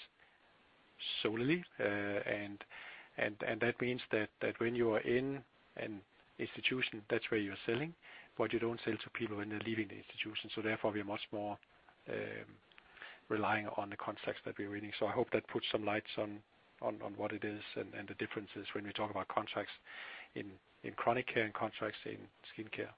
solely. That means that when you are in an institution, that's where you're selling, but you don't sell to people when they're leaving the institution. Therefore, we are much more relying on the contracts that we're winning. I hope that puts some lights on what it is and the differences when we talk about contracts in chronic care and contracts in skin care.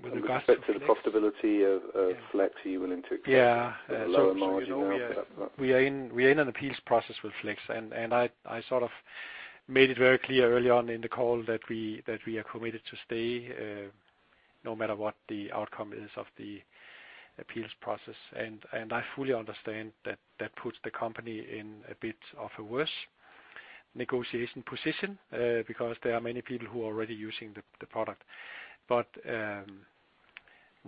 With regards to Flex... With respect to the profitability of Flex, are you willing to?... Yeah. Lower margin? You know, we are in an appeals process with Flex, and I sort of made it very clear early on in the call that we are committed to stay no matter what the outcome is of the appeals process. I fully understand that that puts the company in a bit of a worse negotiation position because there are many people who are already using the product.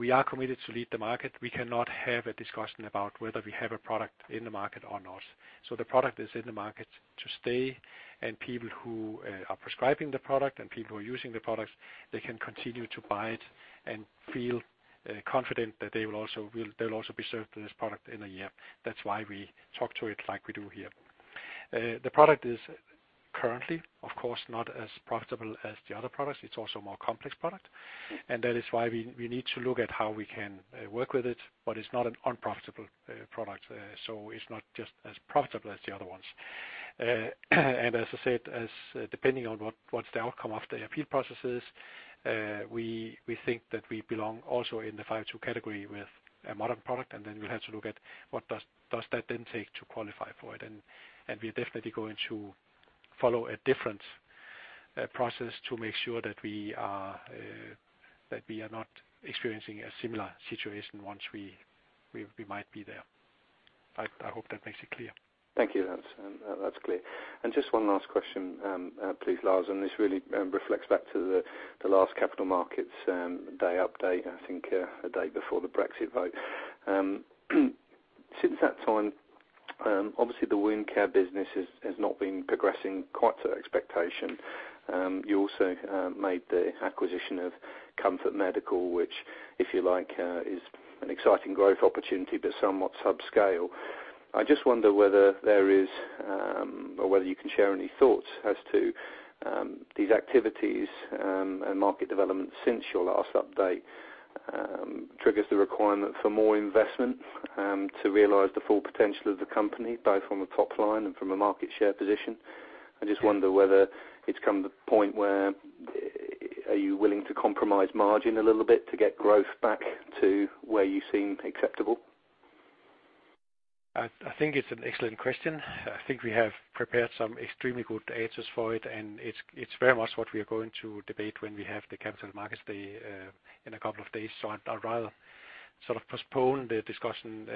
We are committed to lead the market. We cannot have a discussion about whether we have a product in the market or not. The product is in the market to stay, and people who are prescribing the product and people who are using the product, they can continue to buy it and feel confident that they'll also be served with this product in a year. That's why we talk to it like we do here. The product is currently, of course, not as profitable as the other products. It's also a more complex product, and that is why we need to look at how we can work with it, but it's not an unprofitable product. It's not just as profitable as the other ones. As I said, depending on what's the outcome of the appeal processes, we think that we belong also in the 52 category with a modern product, and then we'll have to look at what does that then take to qualify for it. We are definitely going to follow a different process to make sure that we are that we are not experiencing a similar situation once we might be there. I hope that makes it clear. Thank you. That's clear. Just one last question, please, Lars, and this really reflects back to the last capital markets day update, I think, a day before the Brexit vote. Since that time, obviously the wound care business has not been progressing quite to expectation. You also made the acquisition of Comfort Medical, which, if you like, is an exciting growth opportunity, but somewhat subscale. I just wonder whether there is or whether you can share any thoughts as to these activities and market development since your last update triggers the requirement for more investment to realize the full potential of the company, both from a top line and from a market share position? I just wonder whether it's come to the point where are you willing to compromise margin a little bit to get growth back to where you seem acceptable? I think it's an excellent question. I think we have prepared some extremely good answers for it, and it's very much what we are going to debate when we have the capital markets day in a couple of days. I'd rather sort of postpone the discussion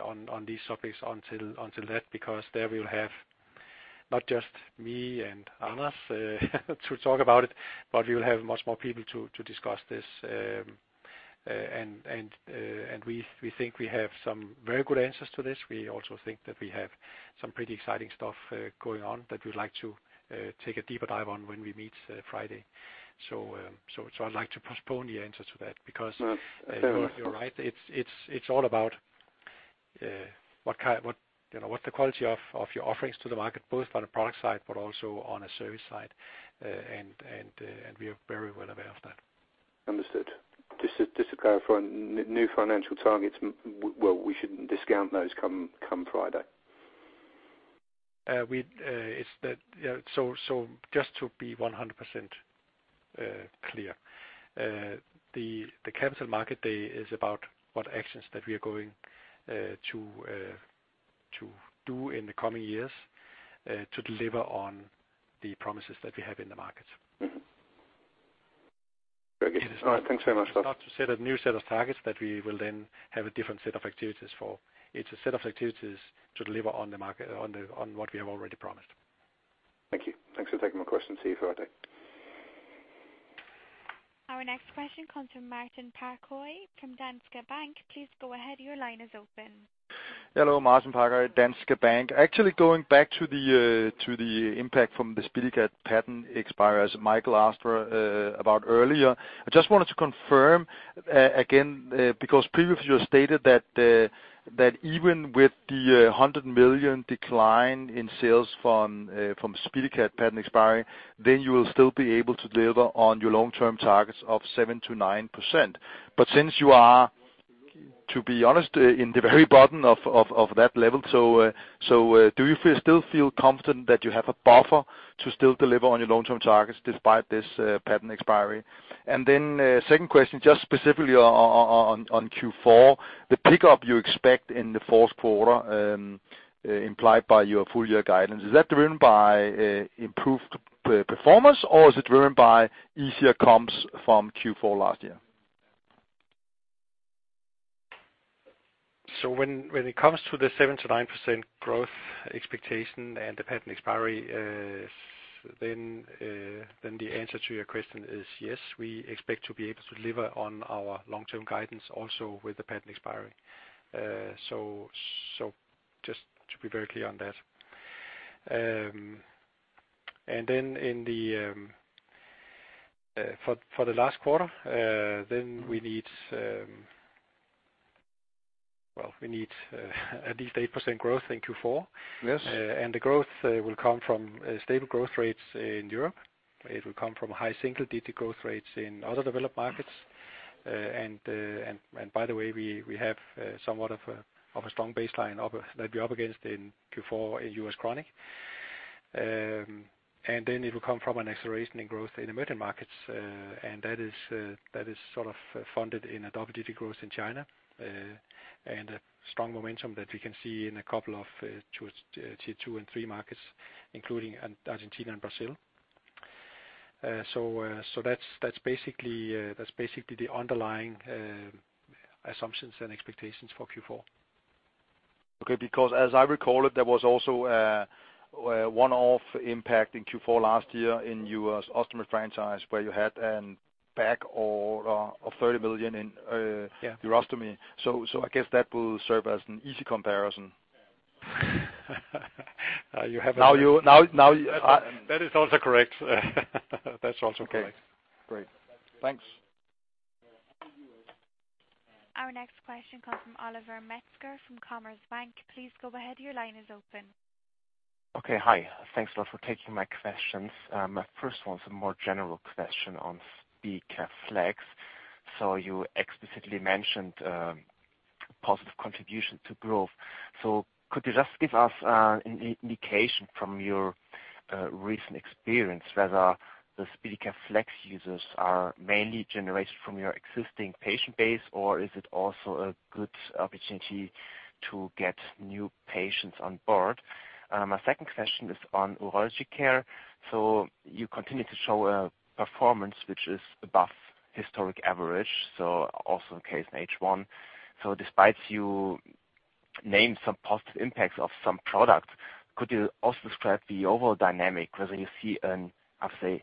on these topics until that, because there we will have not just me and others to talk about it, but we will have much more people to discuss this. And we think we have some very good answers to this. We also think that we have some pretty exciting stuff going on that we'd like to take a deeper dive on when we meet Friday. I'd like to postpone the answer to that because.... Fair enough..... you're right. It's, it's all about, what kind, what, you know, what the quality of your offerings to the market, both on a product side, but also on a service side. We are very well aware of that. Understood. Just to be clear, for new financial targets, well, we shouldn't discount those come Friday? Just to be 100% clear, the capital market day is about what actions that we are going to do in the coming years, to deliver on the promises that we have in the market. Mm-hmm. Okay, all right, thanks very much. It's not to set a new set of targets that we will then have a different set of activities for. It's a set of activities to deliver on the market, on what we have already promised. Thank you. Thanks for taking my question. See you Friday. Our next question comes from Martin Parkhøi from Danske Bank. Please go ahead. Your line is open. Hello, Martin Parkhøi, Danske Bank. Actually, going back to the impact from the SpeediCath patent expiry, as Michael asked for earlier. I just wanted to confirm again. Previously you stated that even with the 100 million decline in sales from SpeediCath patent expiry, you will still be able to deliver on your long-term targets of 7%-9%. Since you are, to be honest, in the very bottom of that level, do you still feel confident that you have a buffer to still deliver on your long-term targets despite this patent expiry? Second question, just specifically on Q4, the pickup you expect in the fourth quarter, implied by your full year guidance, is that driven by improved per-performance, or is it driven by easier comps from Q4 last year? When it comes to the 7%-9% growth expectation and the patent expiry, the answer to your question is yes, we expect to be able to deliver on our long-term guidance also with the patent expiry. So just to be very clear on that. Then in the last quarter, Well, we need at least 8% growth in Q4. Yes. The growth will come from stable growth rates in Europe. It will come from high single-digit growth rates in other developed markets. By the way, we have somewhat of a strong baseline that we're up against in Q4 in U.S. chronic. It will come from an acceleration in growth in emerging markets, that is sort of funded in a double-digit growth in China, and a strong momentum that we can see in a couple of tier two and three markets, including Argentina and Brazil. That's basically the underlying assumptions and expectations for Q4. Okay, because as I recall it, there was also a one-off impact in Q4 last year in U.S. Ostomy franchise, where you had a back order of 30 million... Yeah... urostomy. I guess that will serve as an easy comparison. You have it there. Now you, now... That is also correct. That's also correct. Okay, great. Thanks. Our next question comes from Oliver Metzger, from Commerzbank. Please go ahead. Your line is open. Hi. Thanks a lot for taking my questions. My first one is a more general question on SpeediCath Flex. You explicitly mentioned positive contribution to growth. Could you just give us an indication from your recent experience whether the SpeediCath Flex users are mainly generated from your existing patient base, or is it also a good opportunity to get new patients on board? My second question is on urology care. You continue to show a performance which is above historic average, also the case in H1. Despite you name some positive impacts of some products, could you also describe the overall dynamic, whether you see, I would say,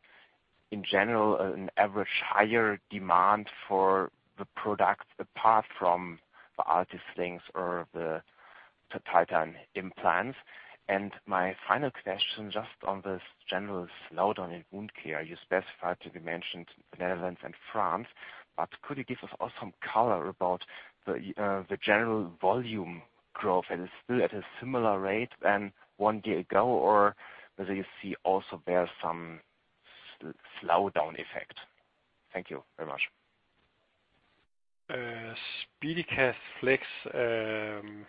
in general, an average higher demand for the product, apart from the Aris slings or the Titan implants? My final question, just on this general slowdown in wound care, you specified to be mentioned Netherlands and France, but could you give us some color about the general volume growth? Is still at a similar rate than one year ago, or whether you see also there some slowdown effect? Thank you very much. SpeediCath Flex, it's,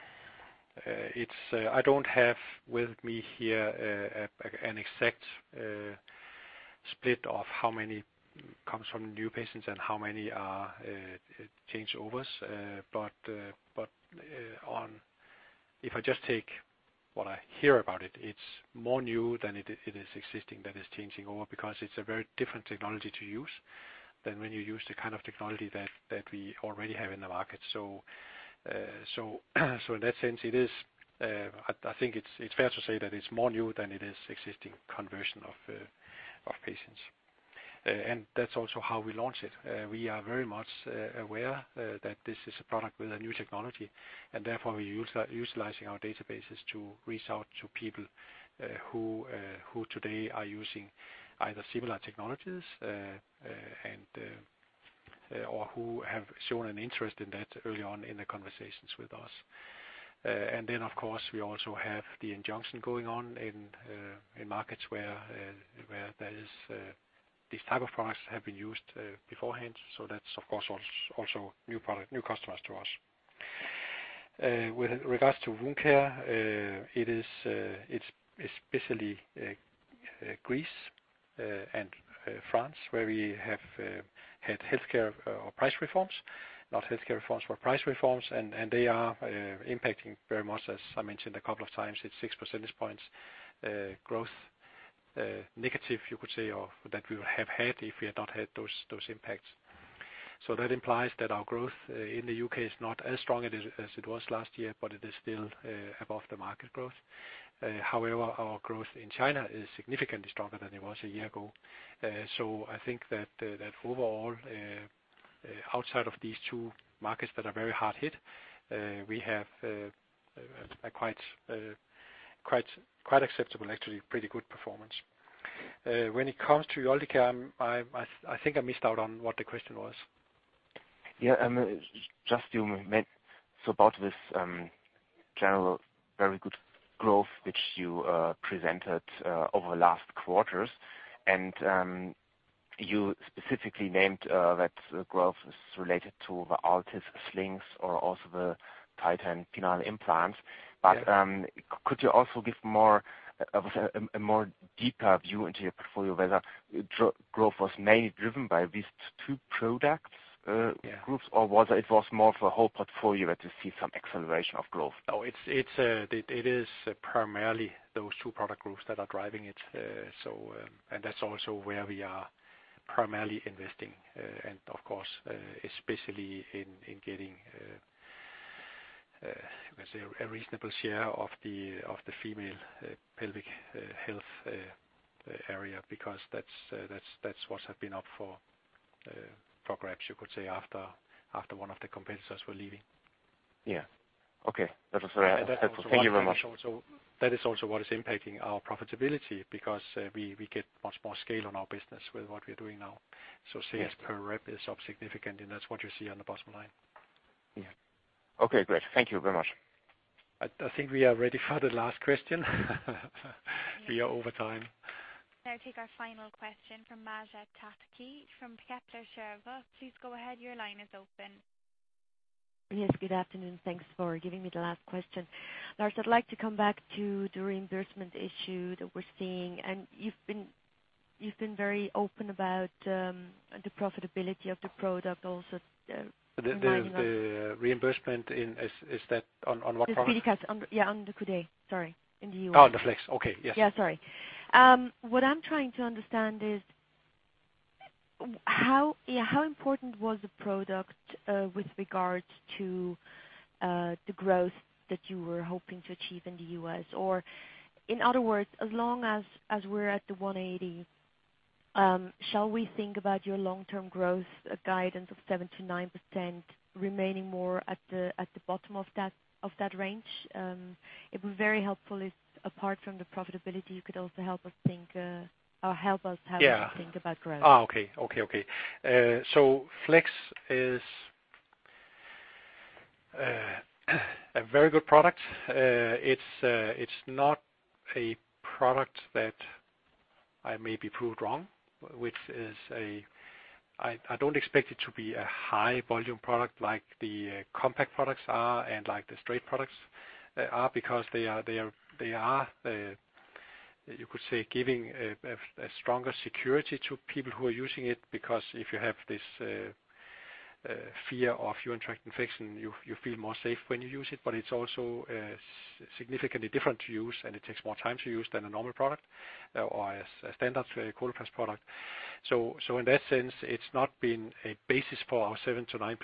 I don't have with me here an exact split of how many comes from new patients and how many are changeovers. If I just take what I hear about it's more new than it is existing, that is changing over because it's a very different technology to use than when you use the kind of technology that we already have in the market. In that sense, it is, I think it's fair to say that it's more new than it is existing conversion of patients. That's also how we launch it. We are very much aware that this is a product with a new technology, and therefore, utilizing our databases to reach out to people who today are using either similar technologies and or who have shown an interest in that early on in the conversations with us. Of course, we also have the injunction going on in markets where there is these type of products have been used beforehand. That's, of course, also new product, new customers to us. With regards to wound care, it is, it's especially, Greece, and, France, where we have had healthcare, or price reforms, not healthcare reforms, but price reforms, and they are impacting very much, as I mentioned a couple of times, it's 6 percentage points, growth, negative, you could say, or that we would have had if we had not had those impacts. That implies that our growth in the U.K. is not as strong as it was last year, but it is still above the market growth. Our growth in China is significantly stronger than it was a year ago. I think that overall, outside of these two markets that are very hard hit, we have a quite acceptable, actually pretty good performance. When it comes to urology, I think I missed out on what the question was. Yeah, just you meant so about this general very good growth, which you presented over the last quarters. You specifically named that the growth is related to the Aris slings or also the Titan penile implants. Yeah. Could you also give a more deeper view into your portfolio, whether growth was mainly driven by these two products? Yeah... groups, or was it more for the whole portfolio to see some acceleration of growth? No, it's primarily those two product groups that are driving it. That's also where we are primarily investing, and of course, especially in getting, let's say, a reasonable share of the female pelvic health area, because that's what have been up for grabs, you could say, after one of the competitors were leaving. Yeah. Okay. That was very helpful. Thank you very much. That is also what is impacting our profitability, because, we get much more scale on our business with what we're doing now. Yeah. Sales per rep is up significant, and that's what you see on the bottom line. Yeah. Okay, great. Thank you very much. I think we are ready for the last question. We are over time. Take our final question from Maja Pataki, from Kepler Cheuvreux. Please go ahead. Your line is open. Yes, good afternoon. Thanks for giving me the last question. Lars, I'd like to come back to the reimbursement issue that we're seeing, and you've been very open about the profitability of the product also. The reimbursement in, is that on what product? The SpeediCath on, yeah, on the coudé, sorry, in the U.S. Oh, the Flex. Okay, yes. Yeah, sorry. What I'm trying to understand is how, yeah, how important was the product with regards to the growth that you were hoping to achieve in the U.S.? In other words, as long as we're at the $1,80, shall we think about your long-term growth guidance of 7%-9% remaining more at the bottom of that range? It would be very helpful if, apart from the profitability, you could also help us think.... Yeah... how to think about growth. Okay, okay. Flex is a very good product. It's not a product that I may be proved wrong, which is. I don't expect it to be a high volume product like the compact products are and like the straight products are, because they are, you could say, giving a stronger security to people who are using it, because if you have this fear of urinary tract infection, you feel more safe when you use it. It's also significantly different to use, and it takes more time to use than a normal product or a standard Coloplast product. In that sense, it's not been a basis for our 7%-9%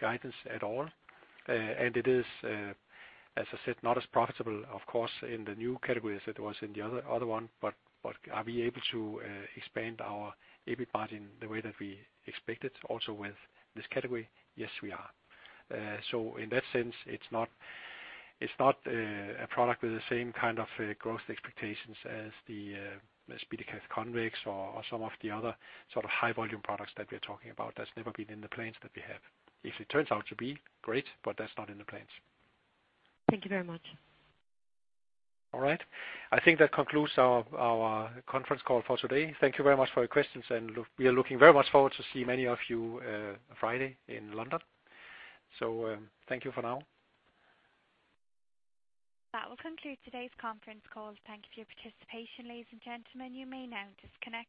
guidance at all. It is, as I said, not as profitable, of course, in the new category as it was in the other one. Are we able to expand our EBIT margin the way that we expected also with this category? Yes, we are. In that sense, it's not a product with the same kind of growth expectations as the SpeediCath convex or some of the other sort of high volume products that we're talking about. That's never been in the plans that we have. If it turns out to be, great, but that's not in the plans. Thank you very much. All right. I think that concludes our conference call for today. Thank you very much for your questions, and we are looking very much forward to see many of you Friday in London. Thank you for now. That will conclude today's conference call. Thank you for your participation, ladies and gentlemen. You may now disconnect.